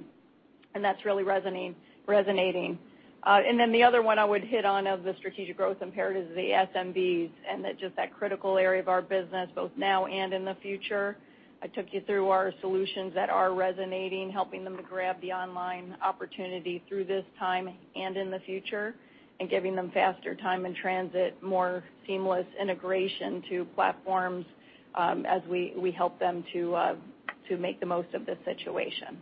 That's really resonating. The other one I would hit on of the strategic growth imperative is the SMBs and just that critical area of our business, both now and in the future. I took you through our solutions that are resonating, helping them to grab the online opportunity through this time and in the future, and giving them faster time in transit, more seamless integration to platforms as we help them to make the most of this situation.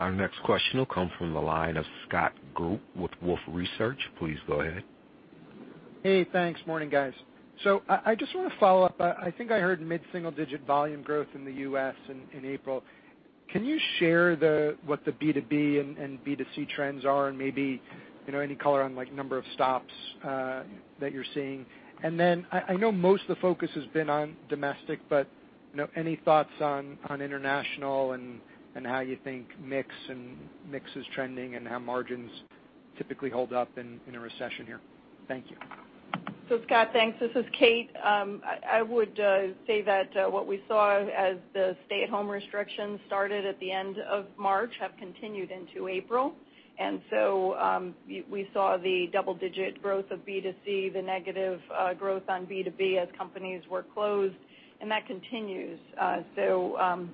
Our next question will come from the line of Scott Group with Wolfe Research. Please go ahead. Hey, thanks. Morning, guys. I just want to follow up. I think I heard mid-single-digit volume growth in the U.S. in April. Can you share what the B2B and B2C trends are and maybe any color on number of stops that you're seeing? I know most of the focus has been on domestic, but any thoughts on international and how you think mix is trending and how margins typically hold up in a recession here? Thank you. Scott, thanks. This is Kate. I would say that what we saw as the stay-at-home restrictions started at the end of March have continued into April. We saw the double-digit growth of B2C, the negative growth on B2B as companies were closed, and that continues. The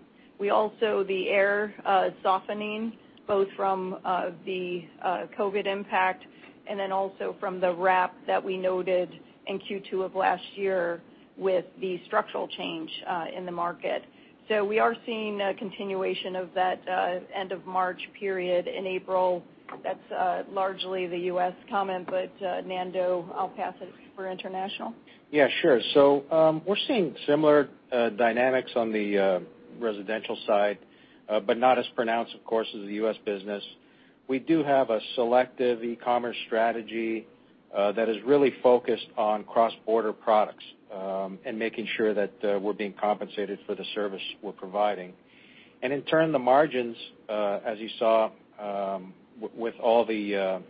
air softening both from the COVID impact and then also from the wrap that we noted in Q2 of last year with the structural change in the market. We are seeing a continuation of that end of March period in April. That's largely the U.S. comment, Nando, I'll pass it for international. Yeah, sure. We're seeing similar dynamics on the residential side, but not as pronounced, of course, as the U.S. business. We do have a selective e-commerce strategy that is really focused on cross-border products and making sure that we're being compensated for the service we're providing. In turn, the margins, as you saw with all the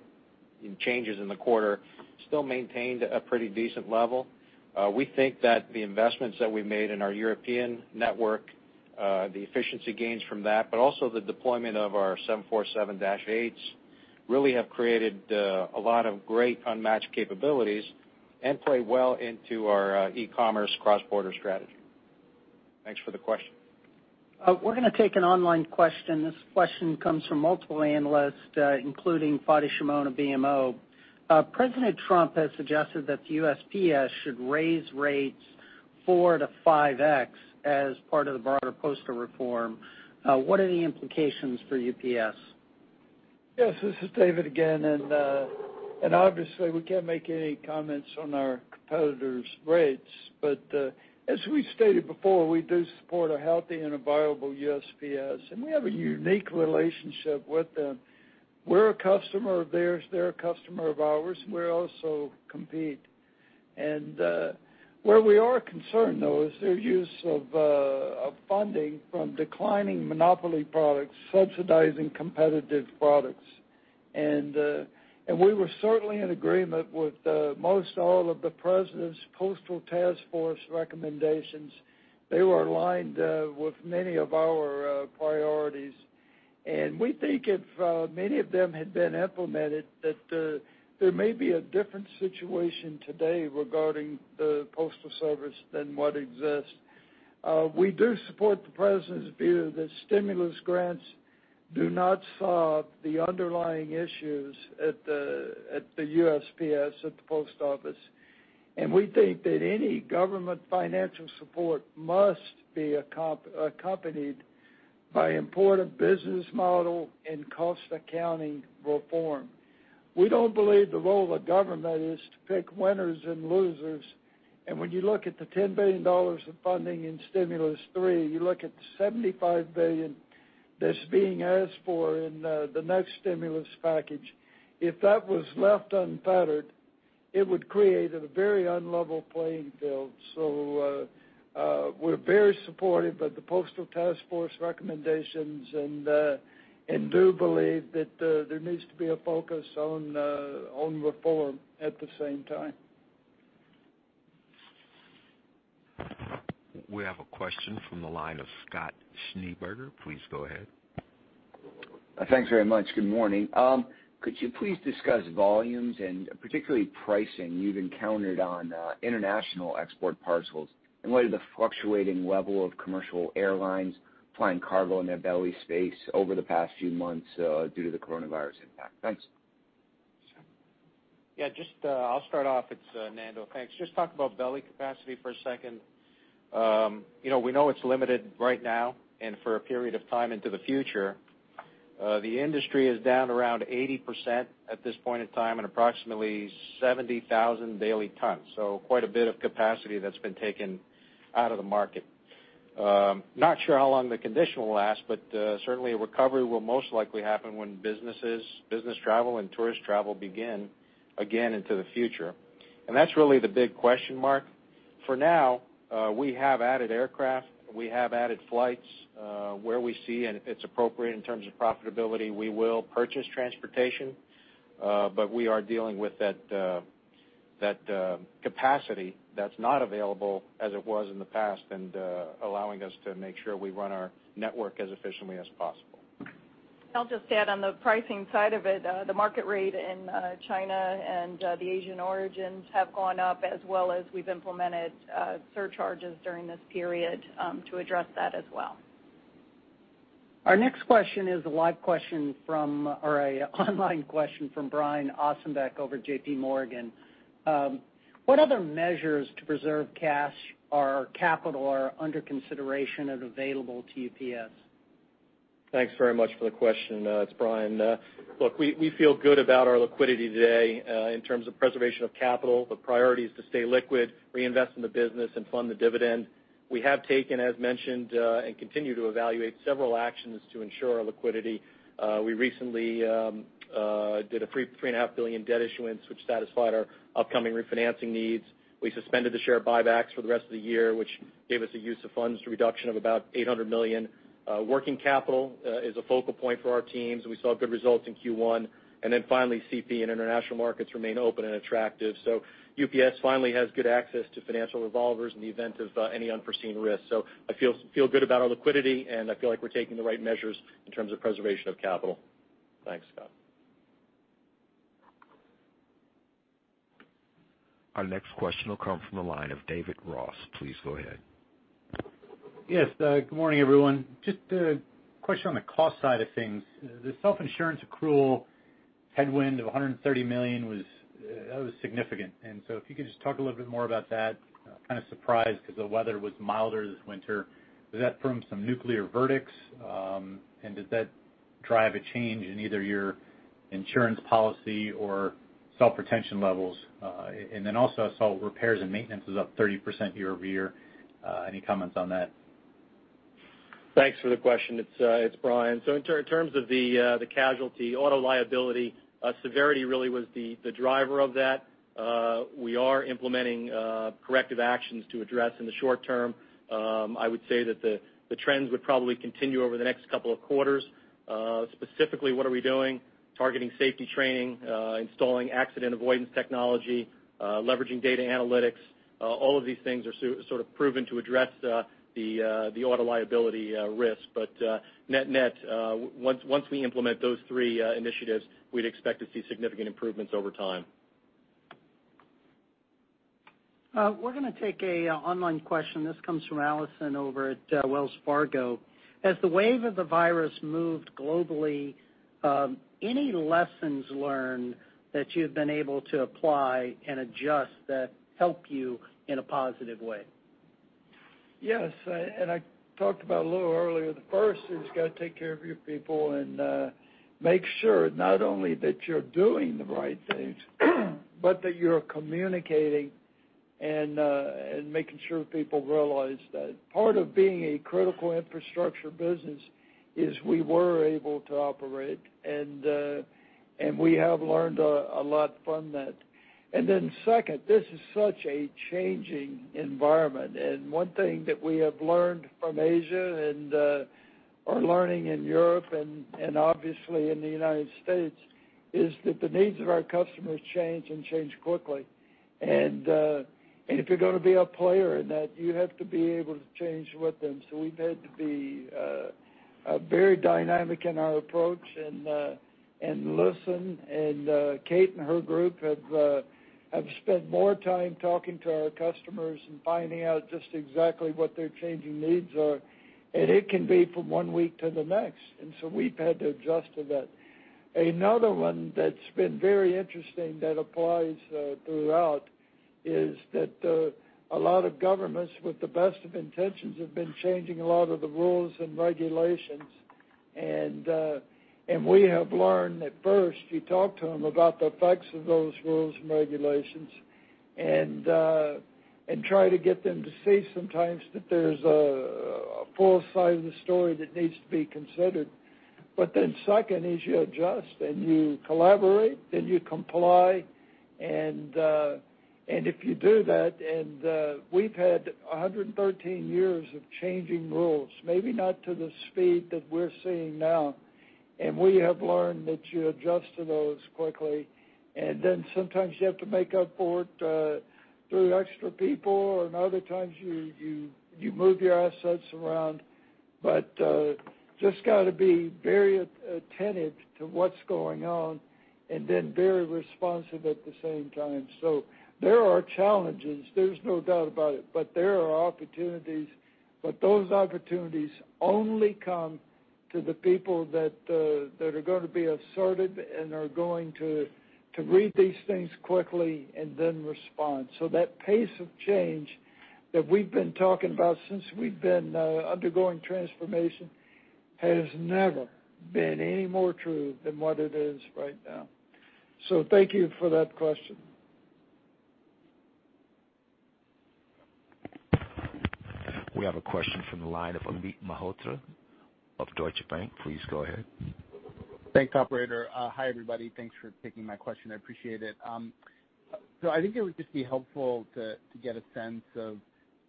changes in the quarter, still maintained a pretty decent level. We think that the investments that we made in our European network, the efficiency gains from that, but also the deployment of our 747-8s really have created a lot of great unmatched capabilities and play well into our e-commerce cross-border strategy. Thanks for the question. We're going to take an online question. This question comes from multiple analysts, including Fadi Chamoun of BMO. President Trump has suggested that the USPS should raise rates 4x-5x as part of the broader postal reform. What are the implications for UPS? Yes. This is David again. Obviously, we can't make any comments on our competitors' rates. As we stated before, we do support a healthy and a viable USPS. We have a unique relationship with them. We're a customer of theirs, they're a customer of ours. We also compete. Where we are concerned, though, is their use of funding from declining monopoly products subsidizing competitive products. We were certainly in agreement with most all of the President's Postal Task Force recommendations. They were aligned with many of our priorities. We think if many of them had been implemented, that there may be a different situation today regarding the Postal Service than what exists. We do support the President's view that stimulus grants do not solve the underlying issues at the USPS, at the Post Office. We think that any government financial support must be accompanied by important business model and cost accounting reform. We don't believe the role of government is to pick winners and losers. When you look at the $10 billion of funding in Stimulus three, you look at $75 billion that's being asked for in the next stimulus package. If that was left unpatterned, it would create a very unlevel playing field. We're very supportive of the Postal Task Force recommendations and do believe that there needs to be a focus on reform at the same time. We have a question from the line of Scott Schneeberger. Please go ahead. Thanks very much. Good morning. Could you please discuss volumes and particularly pricing you've encountered on international export parcels? What is the fluctuating level of commercial airlines flying cargo in their belly space over the past few months due to the coronavirus impact? Thanks. Yeah, I'll start off. It's Nando. Thanks. Talk about belly capacity for a second. We know it's limited right now and for a period of time into the future. The industry is down around 80% at this point in time and approximately 70,000 daily tons. Quite a bit of capacity that's been taken out of the market. Not sure how long the condition will last, certainly a recovery will most likely happen when businesses, business travel, and tourist travel begin again into the future. That's really the big question mark. For now, we have added aircraft, we have added flights. Where we see and it's appropriate in terms of profitability, we will purchase transportation. We are dealing with that capacity that's not available as it was in the past and allowing us to make sure we run our network as efficiently as possible. I'll just add on the pricing side of it, the market rate in China and the Asian origins have gone up as well as we've implemented surcharges during this period to address that as well. Our next question is an online question from Brian Ossenbeck over at JPMorgan. What other measures to preserve cash or capital are under consideration and available to UPS? Thanks very much for the question. It's Brian. Look, we feel good about our liquidity today. In terms of preservation of capital, the priority is to stay liquid, reinvest in the business and fund the dividend. We have taken, as mentioned, and continue to evaluate several actions to ensure our liquidity. We recently did a $3.5 billion debt issuance, which satisfied our upcoming refinancing needs. We suspended the share buybacks for the rest of the year, which gave us a use of funds reduction of about $800 million. Working capital is a focal point for our teams. We saw good results in Q1. Then finally, CP and international markets remain open and attractive. UPS finally has good access to financial revolvers in the event of any unforeseen risk. I feel good about our liquidity, and I feel like we're taking the right measures in terms of preservation of capital. Thanks, Scott. Our next question will come from the line of David Ross. Please go ahead. Yes. Good morning, everyone. Just a question on the cost side of things. The self-insurance accrual headwind of $130 million was significant. If you could just talk a little bit more about that. Kind of surprised because the weather was milder this winter. Was that from some nuclear verdicts? Does that drive a change in either your insurance policy or self-retention levels? Also I saw repairs and maintenance is up 30% year-over-year. Any comments on that? Thanks for the question. It's Brian. In terms of the casualty, auto liability severity really was the driver of that. We are implementing corrective actions to address in the short term. I would say that the trends would probably continue over the next couple of quarters. Specifically, what are we doing? Targeting safety training, installing accident avoidance technology, leveraging data analytics. All of these things are sort of proven to address the auto liability risk. Net, once we implement those three initiatives, we'd expect to see significant improvements over time. We're going to take an online question. This comes from Allison over at Wells Fargo. As the wave of the virus moved globally, any lessons learned that you've been able to apply and adjust that help you in a positive way? Yes, I talked about a little earlier. The first is you got to take care of your people and make sure not only that you're doing the right things, but that you're communicating and making sure people realize that part of being a critical infrastructure business is we were able to operate, and we have learned a lot from that. Second, this is such a changing environment. One thing that we have learned from Asia and are learning in Europe and obviously in the U.S., is that the needs of our customers change and change quickly. If you're going to be a player in that, you have to be able to change with them. We've had to be very dynamic in our approach and listen. Kate and her group have spent more time talking to our customers and finding out just exactly what their changing needs are. It can be from one week to the next, and so we've had to adjust to that. Another one that's been very interesting that applies throughout is that a lot of governments, with the best of intentions, have been changing a lot of the rules and regulations. We have learned at first, you talk to them about the effects of those rules and regulations and try to get them to see sometimes that there's a full side of the story that needs to be considered. Then second is you adjust and you collaborate, then you comply. If you do that, and we've had 113 years of changing rules, maybe not to the speed that we're seeing now. We have learned that you adjust to those quickly, and then sometimes you have to make up for it through extra people or in other times you move your assets around. Just got to be very attentive to what's going on and then very responsive at the same time. There are challenges, there's no doubt about it. There are opportunities, but those opportunities only come to the people that are going to be assertive and are going to read these things quickly and then respond. That pace of change that we've been talking about since we've been undergoing transformation has never been any more true than what it is right now. Thank you for that question. We have a question from the line of Amit Mehrotra of Deutsche Bank. Please go ahead. Thanks, operator. Hi, everybody. Thanks for taking my question. I appreciate it. I think it would just be helpful to get a sense of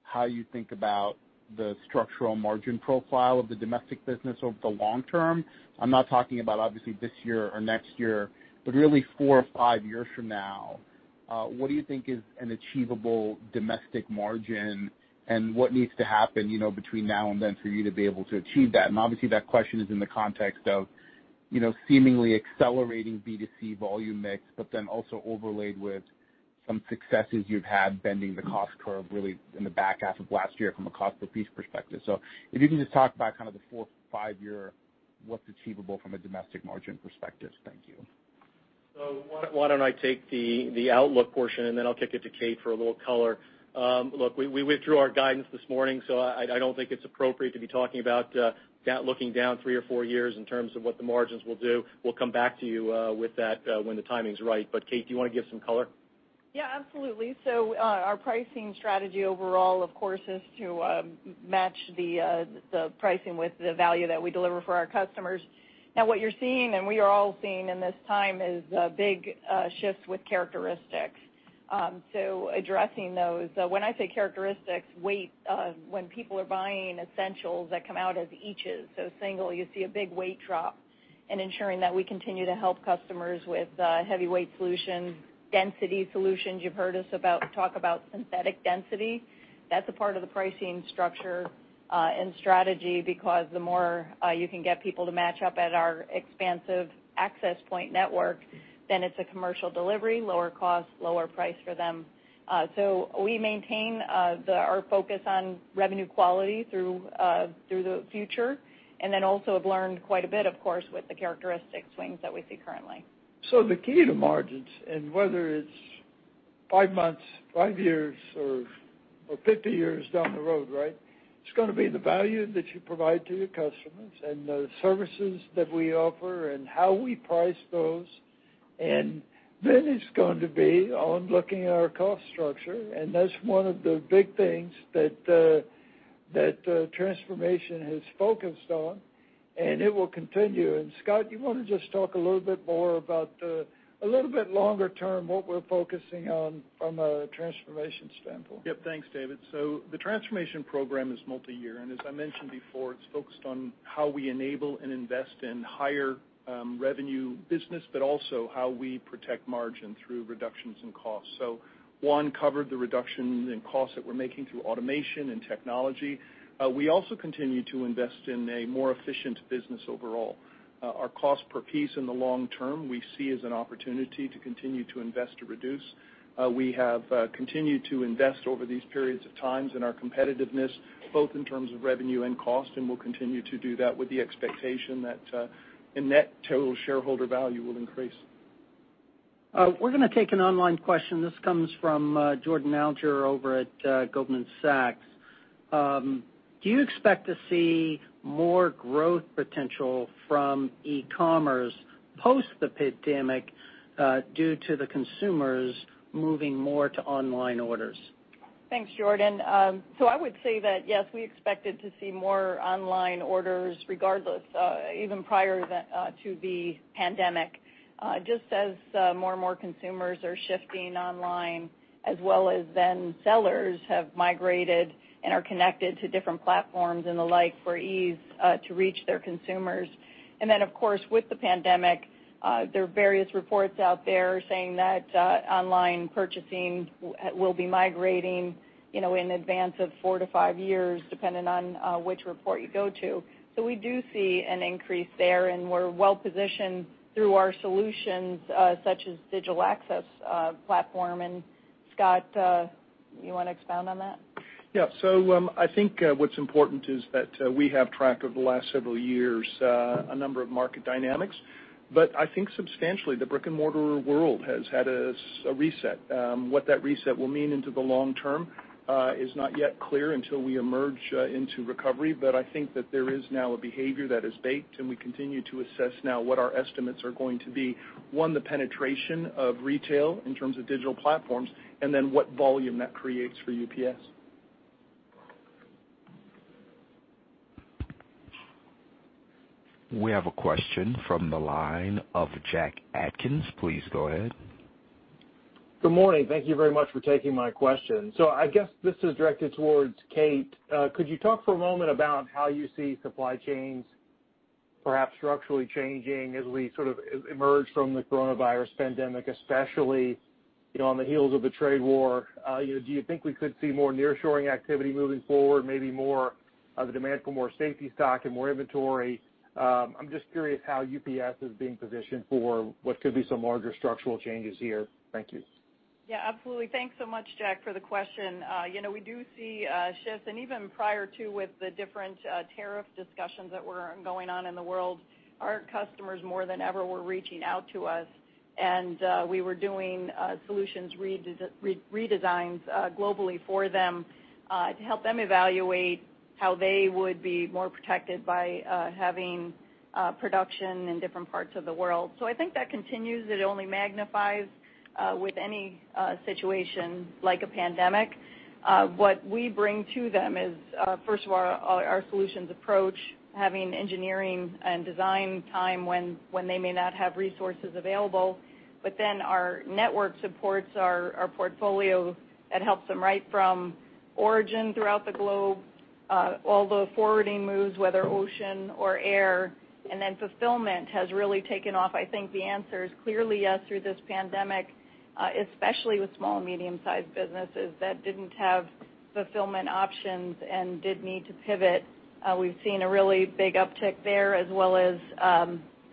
how you think about the structural margin profile of the domestic business over the long term. I'm not talking about obviously this year or next year, but really four or five years from now. What do you think is an achievable domestic margin, and what needs to happen between now and then for you to be able to achieve that? Obviously, that question is in the context of seemingly accelerating B2C volume mix, but then also overlaid with some successes you've had bending the cost curve really in the back half of last year from a cost per piece perspective. If you can just talk about kind of the four, five-year, what's achievable from a domestic margin perspective? Thank you. Why don't I take the outlook portion, and then I'll kick it to Kate for a little color. We withdrew our guidance this morning, so I don't think it's appropriate to be talking about looking down three or four years in terms of what the margins will do. We'll come back to you with that when the timing's right. Kate, do you want to give some color? Yeah, absolutely. Our pricing strategy overall, of course, is to match the pricing with the value that we deliver for our customers. Now, what you're seeing, and we are all seeing in this time, is a big shift with characteristics. Addressing those. When I say characteristics, weight when people are buying essentials that come out as each's, so single, you see a big weight drop in ensuring that we continue to help customers with heavyweight solutions, density solutions. You've heard us talk about synthetic density. That's a part of the pricing structure and strategy because the more you can get people to match up at our expansive Access Point network, then it's a commercial delivery, lower cost, lower price for them. We maintain our focus on revenue quality through the future, and then also have learned quite a bit, of course, with the characteristic swings that we see currently. The key to margins, and whether it's five months, five years, or 50 years down the road, right. It's going to be the value that you provide to your customers and the services that we offer and how we price those. Then it's going to be on looking at our cost structure, and that's one of the big things that transformation has focused on, and it will continue. Scott, you want to just talk a little bit more about the, a little bit longer term, what we're focusing on from a transformation standpoint? Yep. Thanks, David. The transformation program is multi-year, and as I mentioned before, it's focused on how we enable and invest in higher revenue business, but also how we protect margin through reductions in cost. Juan covered the reductions in cost that we're making through automation and technology. We also continue to invest in a more efficient business overall. Our cost per piece in the long term, we see as an opportunity to continue to invest to reduce. We have continued to invest over these periods of times in our competitiveness, both in terms of revenue and cost, and we'll continue to do that with the expectation that the net total shareholder value will increase. We're going to take an online question. This comes from Jordan Alliger over at Goldman Sachs. Do you expect to see more growth potential from e-commerce post the pandemic due to the consumers moving more to online orders? Thanks, Jordan. I would say that yes, we expected to see more online orders regardless, even prior to the pandemic. As more and more consumers are shifting online, as well as then sellers have migrated and are connected to different platforms and the like for ease to reach their consumers. Of course, with the pandemic, there are various reports out there saying that online purchasing will be migrating in advance of four to five years, depending on which report you go to. We do see an increase there, and we're well-positioned through our solutions, such as Digital Access Program. Scott, you want to expound on that? Yeah. I think what's important is that we have tracked over the last several years, a number of market dynamics. I think substantially the brick-and-mortar world has had a reset. What that reset will mean into the long term, is not yet clear until we emerge into recovery. I think that there is now a behavior that is baked, and we continue to assess now what our estimates are going to be, one, the penetration of retail in terms of digital platforms, and then what volume that creates for UPS. We have a question from the line of Jack Atkins. Please go ahead. Good morning. Thank you very much for taking my question. I guess this is directed towards Kate. Could you talk for a moment about how you see supply chains perhaps structurally changing as we sort of emerge from the coronavirus pandemic, especially, on the heels of the trade war? Do you think we could see more nearshoring activity moving forward, maybe more of the demand for more safety stock and more inventory? I'm just curious how UPS is being positioned for what could be some larger structural changes here. Thank you. Yeah, absolutely. Thanks so much, Jack, for the question. We do see shifts and even prior to with the different tariff discussions that were going on in the world, our customers, more than ever, were reaching out to us. We were doing solutions redesigns globally for them, to help them evaluate how they would be more protected by having production in different parts of the world. I think that continues. It only magnifies with any situation like a pandemic. What we bring to them is, first of all, our solutions approach, having engineering and design time when they may not have resources available. Our network supports our portfolio that helps them right from origin throughout the globe, all the forwarding moves, whether ocean or air, and then fulfillment has really taken off. I think the answer is clearly yes through this pandemic, especially with small and medium-sized businesses that didn't have fulfillment options and did need to pivot. We've seen a really big uptick there, as well as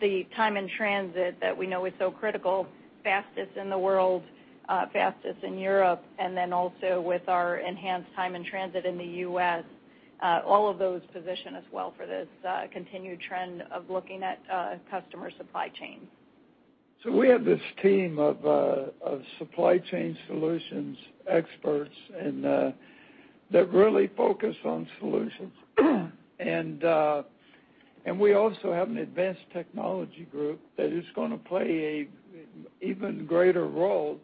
the time in transit that we know is so critical, fastest in the world, fastest in Europe, and then also with our enhanced time in transit in the U.S., all of those position as well for this continued trend of looking at customer supply chain. We have this team of supply chain solutions experts that really focus on solutions. We also have an advanced technology group that is going to play an even greater role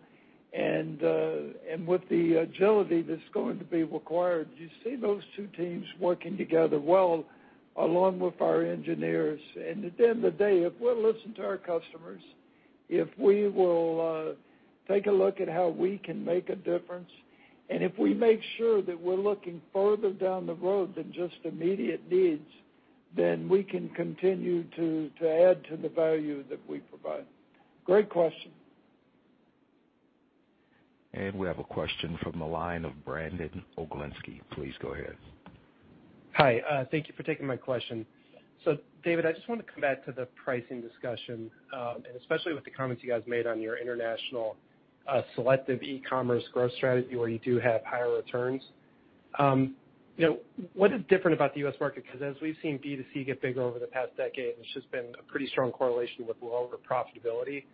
and with the agility that's going to be required. You see those two teams working together well along with our engineers. At the end of the day, if we'll listen to our customers, if we will take a look at how we can make a difference, and if we make sure that we're looking further down the road than just immediate needs, we can continue to add to the value that we provide. Great question. We have a question from the line of Brandon Oglenski. Please go ahead. Hi, thank you for taking my question. David, I just wanted to come back to the pricing discussion, and especially with the comments you guys made on your international selective e-commerce growth strategy where you do have higher returns. What is different about the U.S. market? As we've seen B2C get bigger over the past decade, there's just been a pretty strong correlation with lower profitability.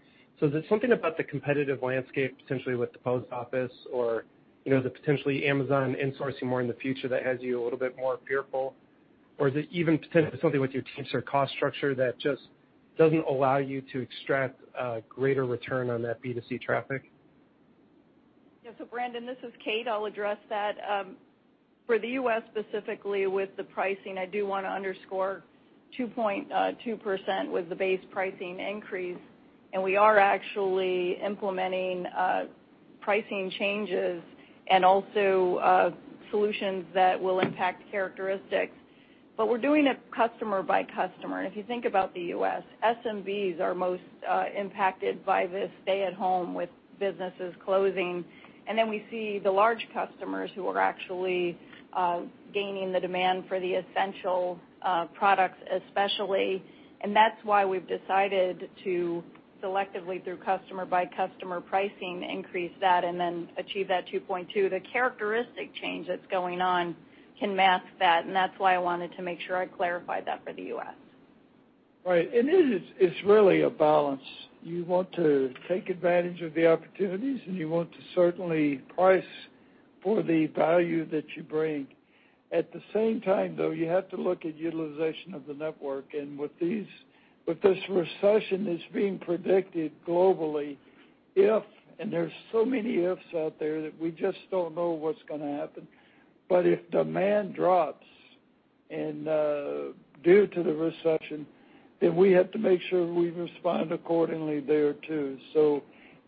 Is it something about the competitive landscape, potentially with the post office or the potentially Amazon insourcing more in the future that has you a little bit more fearful? Is it even potentially something with your cost structure that just doesn't allow you to extract a greater return on that B2C traffic? Yeah. Brandon, this is Kate. I'll address that. For the U.S. specifically with the pricing, I do want to underscore 2.2% was the base pricing increase, we are actually implementing pricing changes and also solutions that will impact characteristics. We're doing it customer by customer. If you think about the U.S., SMBs are most impacted by this stay at home with businesses closing. We see the large customers who are actually gaining the demand for the essential products especially. That's why we've decided to selectively through customer by customer pricing, increase that and then achieve that 2.2%. The characteristic change that's going on can mask that's why I wanted to make sure I clarified that for the U.S. Right. It's really a balance. You want to take advantage of the opportunities, and you want to certainly price for the value that you bring. At the same time, though, you have to look at utilization of the network. With this recession that's being predicted globally, if, and there's so many ifs out there that we just don't know what's going to happen. If demand drops due to the recession, then we have to make sure we respond accordingly there too.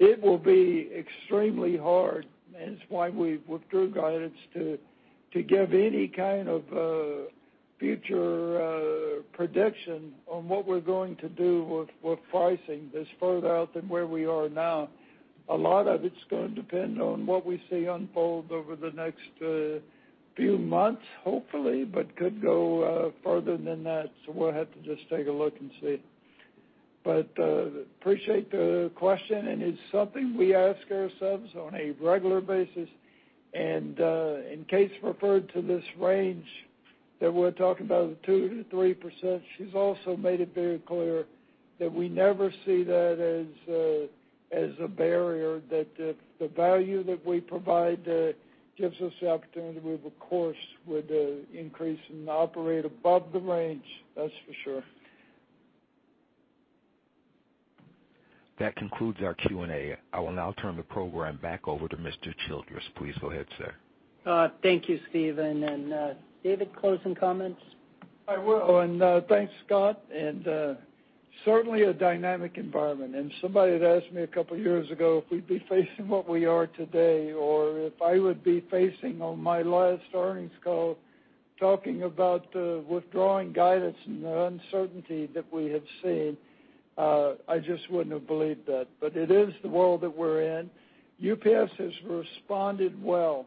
It will be extremely hard, and it's why we withdrew guidance to give any kind of future prediction on what we're going to do with pricing that's further out than where we are now. A lot of it's going to depend on what we see unfold over the next few months, hopefully, but could go further than that. We'll have to just take a look and see. But appreciate the question, and it's something we ask ourselves on a regular basis. Kate's referred to this range that we're talking about, the 2%-3%. She's also made it very clear that we never see that as a barrier, that the value that we provide gives us the opportunity to move a course with the increase and operate above the range. That's for sure. That concludes our Q&A. I will now turn the program back over to Mr. Childress. Please go ahead, sir. Thank you, Steven. David, closing comments? I will. Thanks, Scott. Certainly a dynamic environment. If somebody had asked me a couple of years ago if we'd be facing what we are today or if I would be facing on my last earnings call talking about withdrawing guidance and the uncertainty that we have seen, I just wouldn't have believed that. It is the world that we're in. UPS has responded well,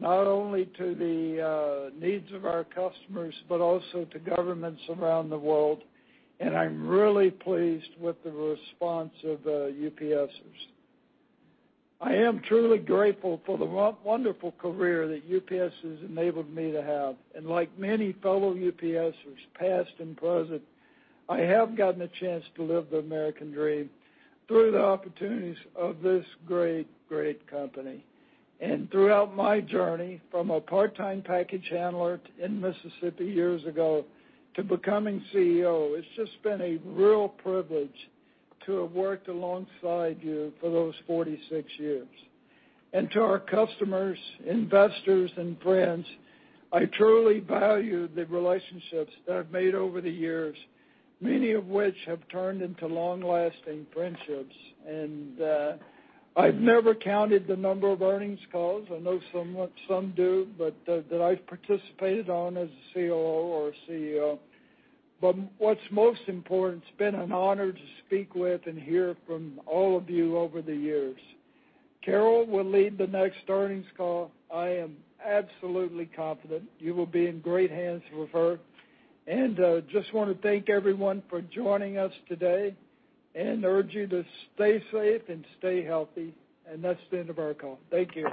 not only to the needs of our customers but also to governments around the world, and I'm really pleased with the response of UPSers. I am truly grateful for the wonderful career that UPS has enabled me to have. Like many fellow UPSers past and present, I have gotten a chance to live the American dream through the opportunities of this great company. Throughout my journey from a part-time package handler in Mississippi years ago to becoming CEO, it's just been a real privilege to have worked alongside you for those 46 years. To our customers, investors, and friends, I truly value the relationships that I've made over the years, many of which have turned into long-lasting friendships. I've never counted the number of earnings calls, I know some do, that I've participated on as a COO or a CEO. What's most important, it's been an honor to speak with and hear from all of you over the years. Carol will lead the next earnings call. I am absolutely confident you will be in great hands with her. Just want to thank everyone for joining us today and urge you to stay safe and stay healthy. That's the end of our call. Thank you.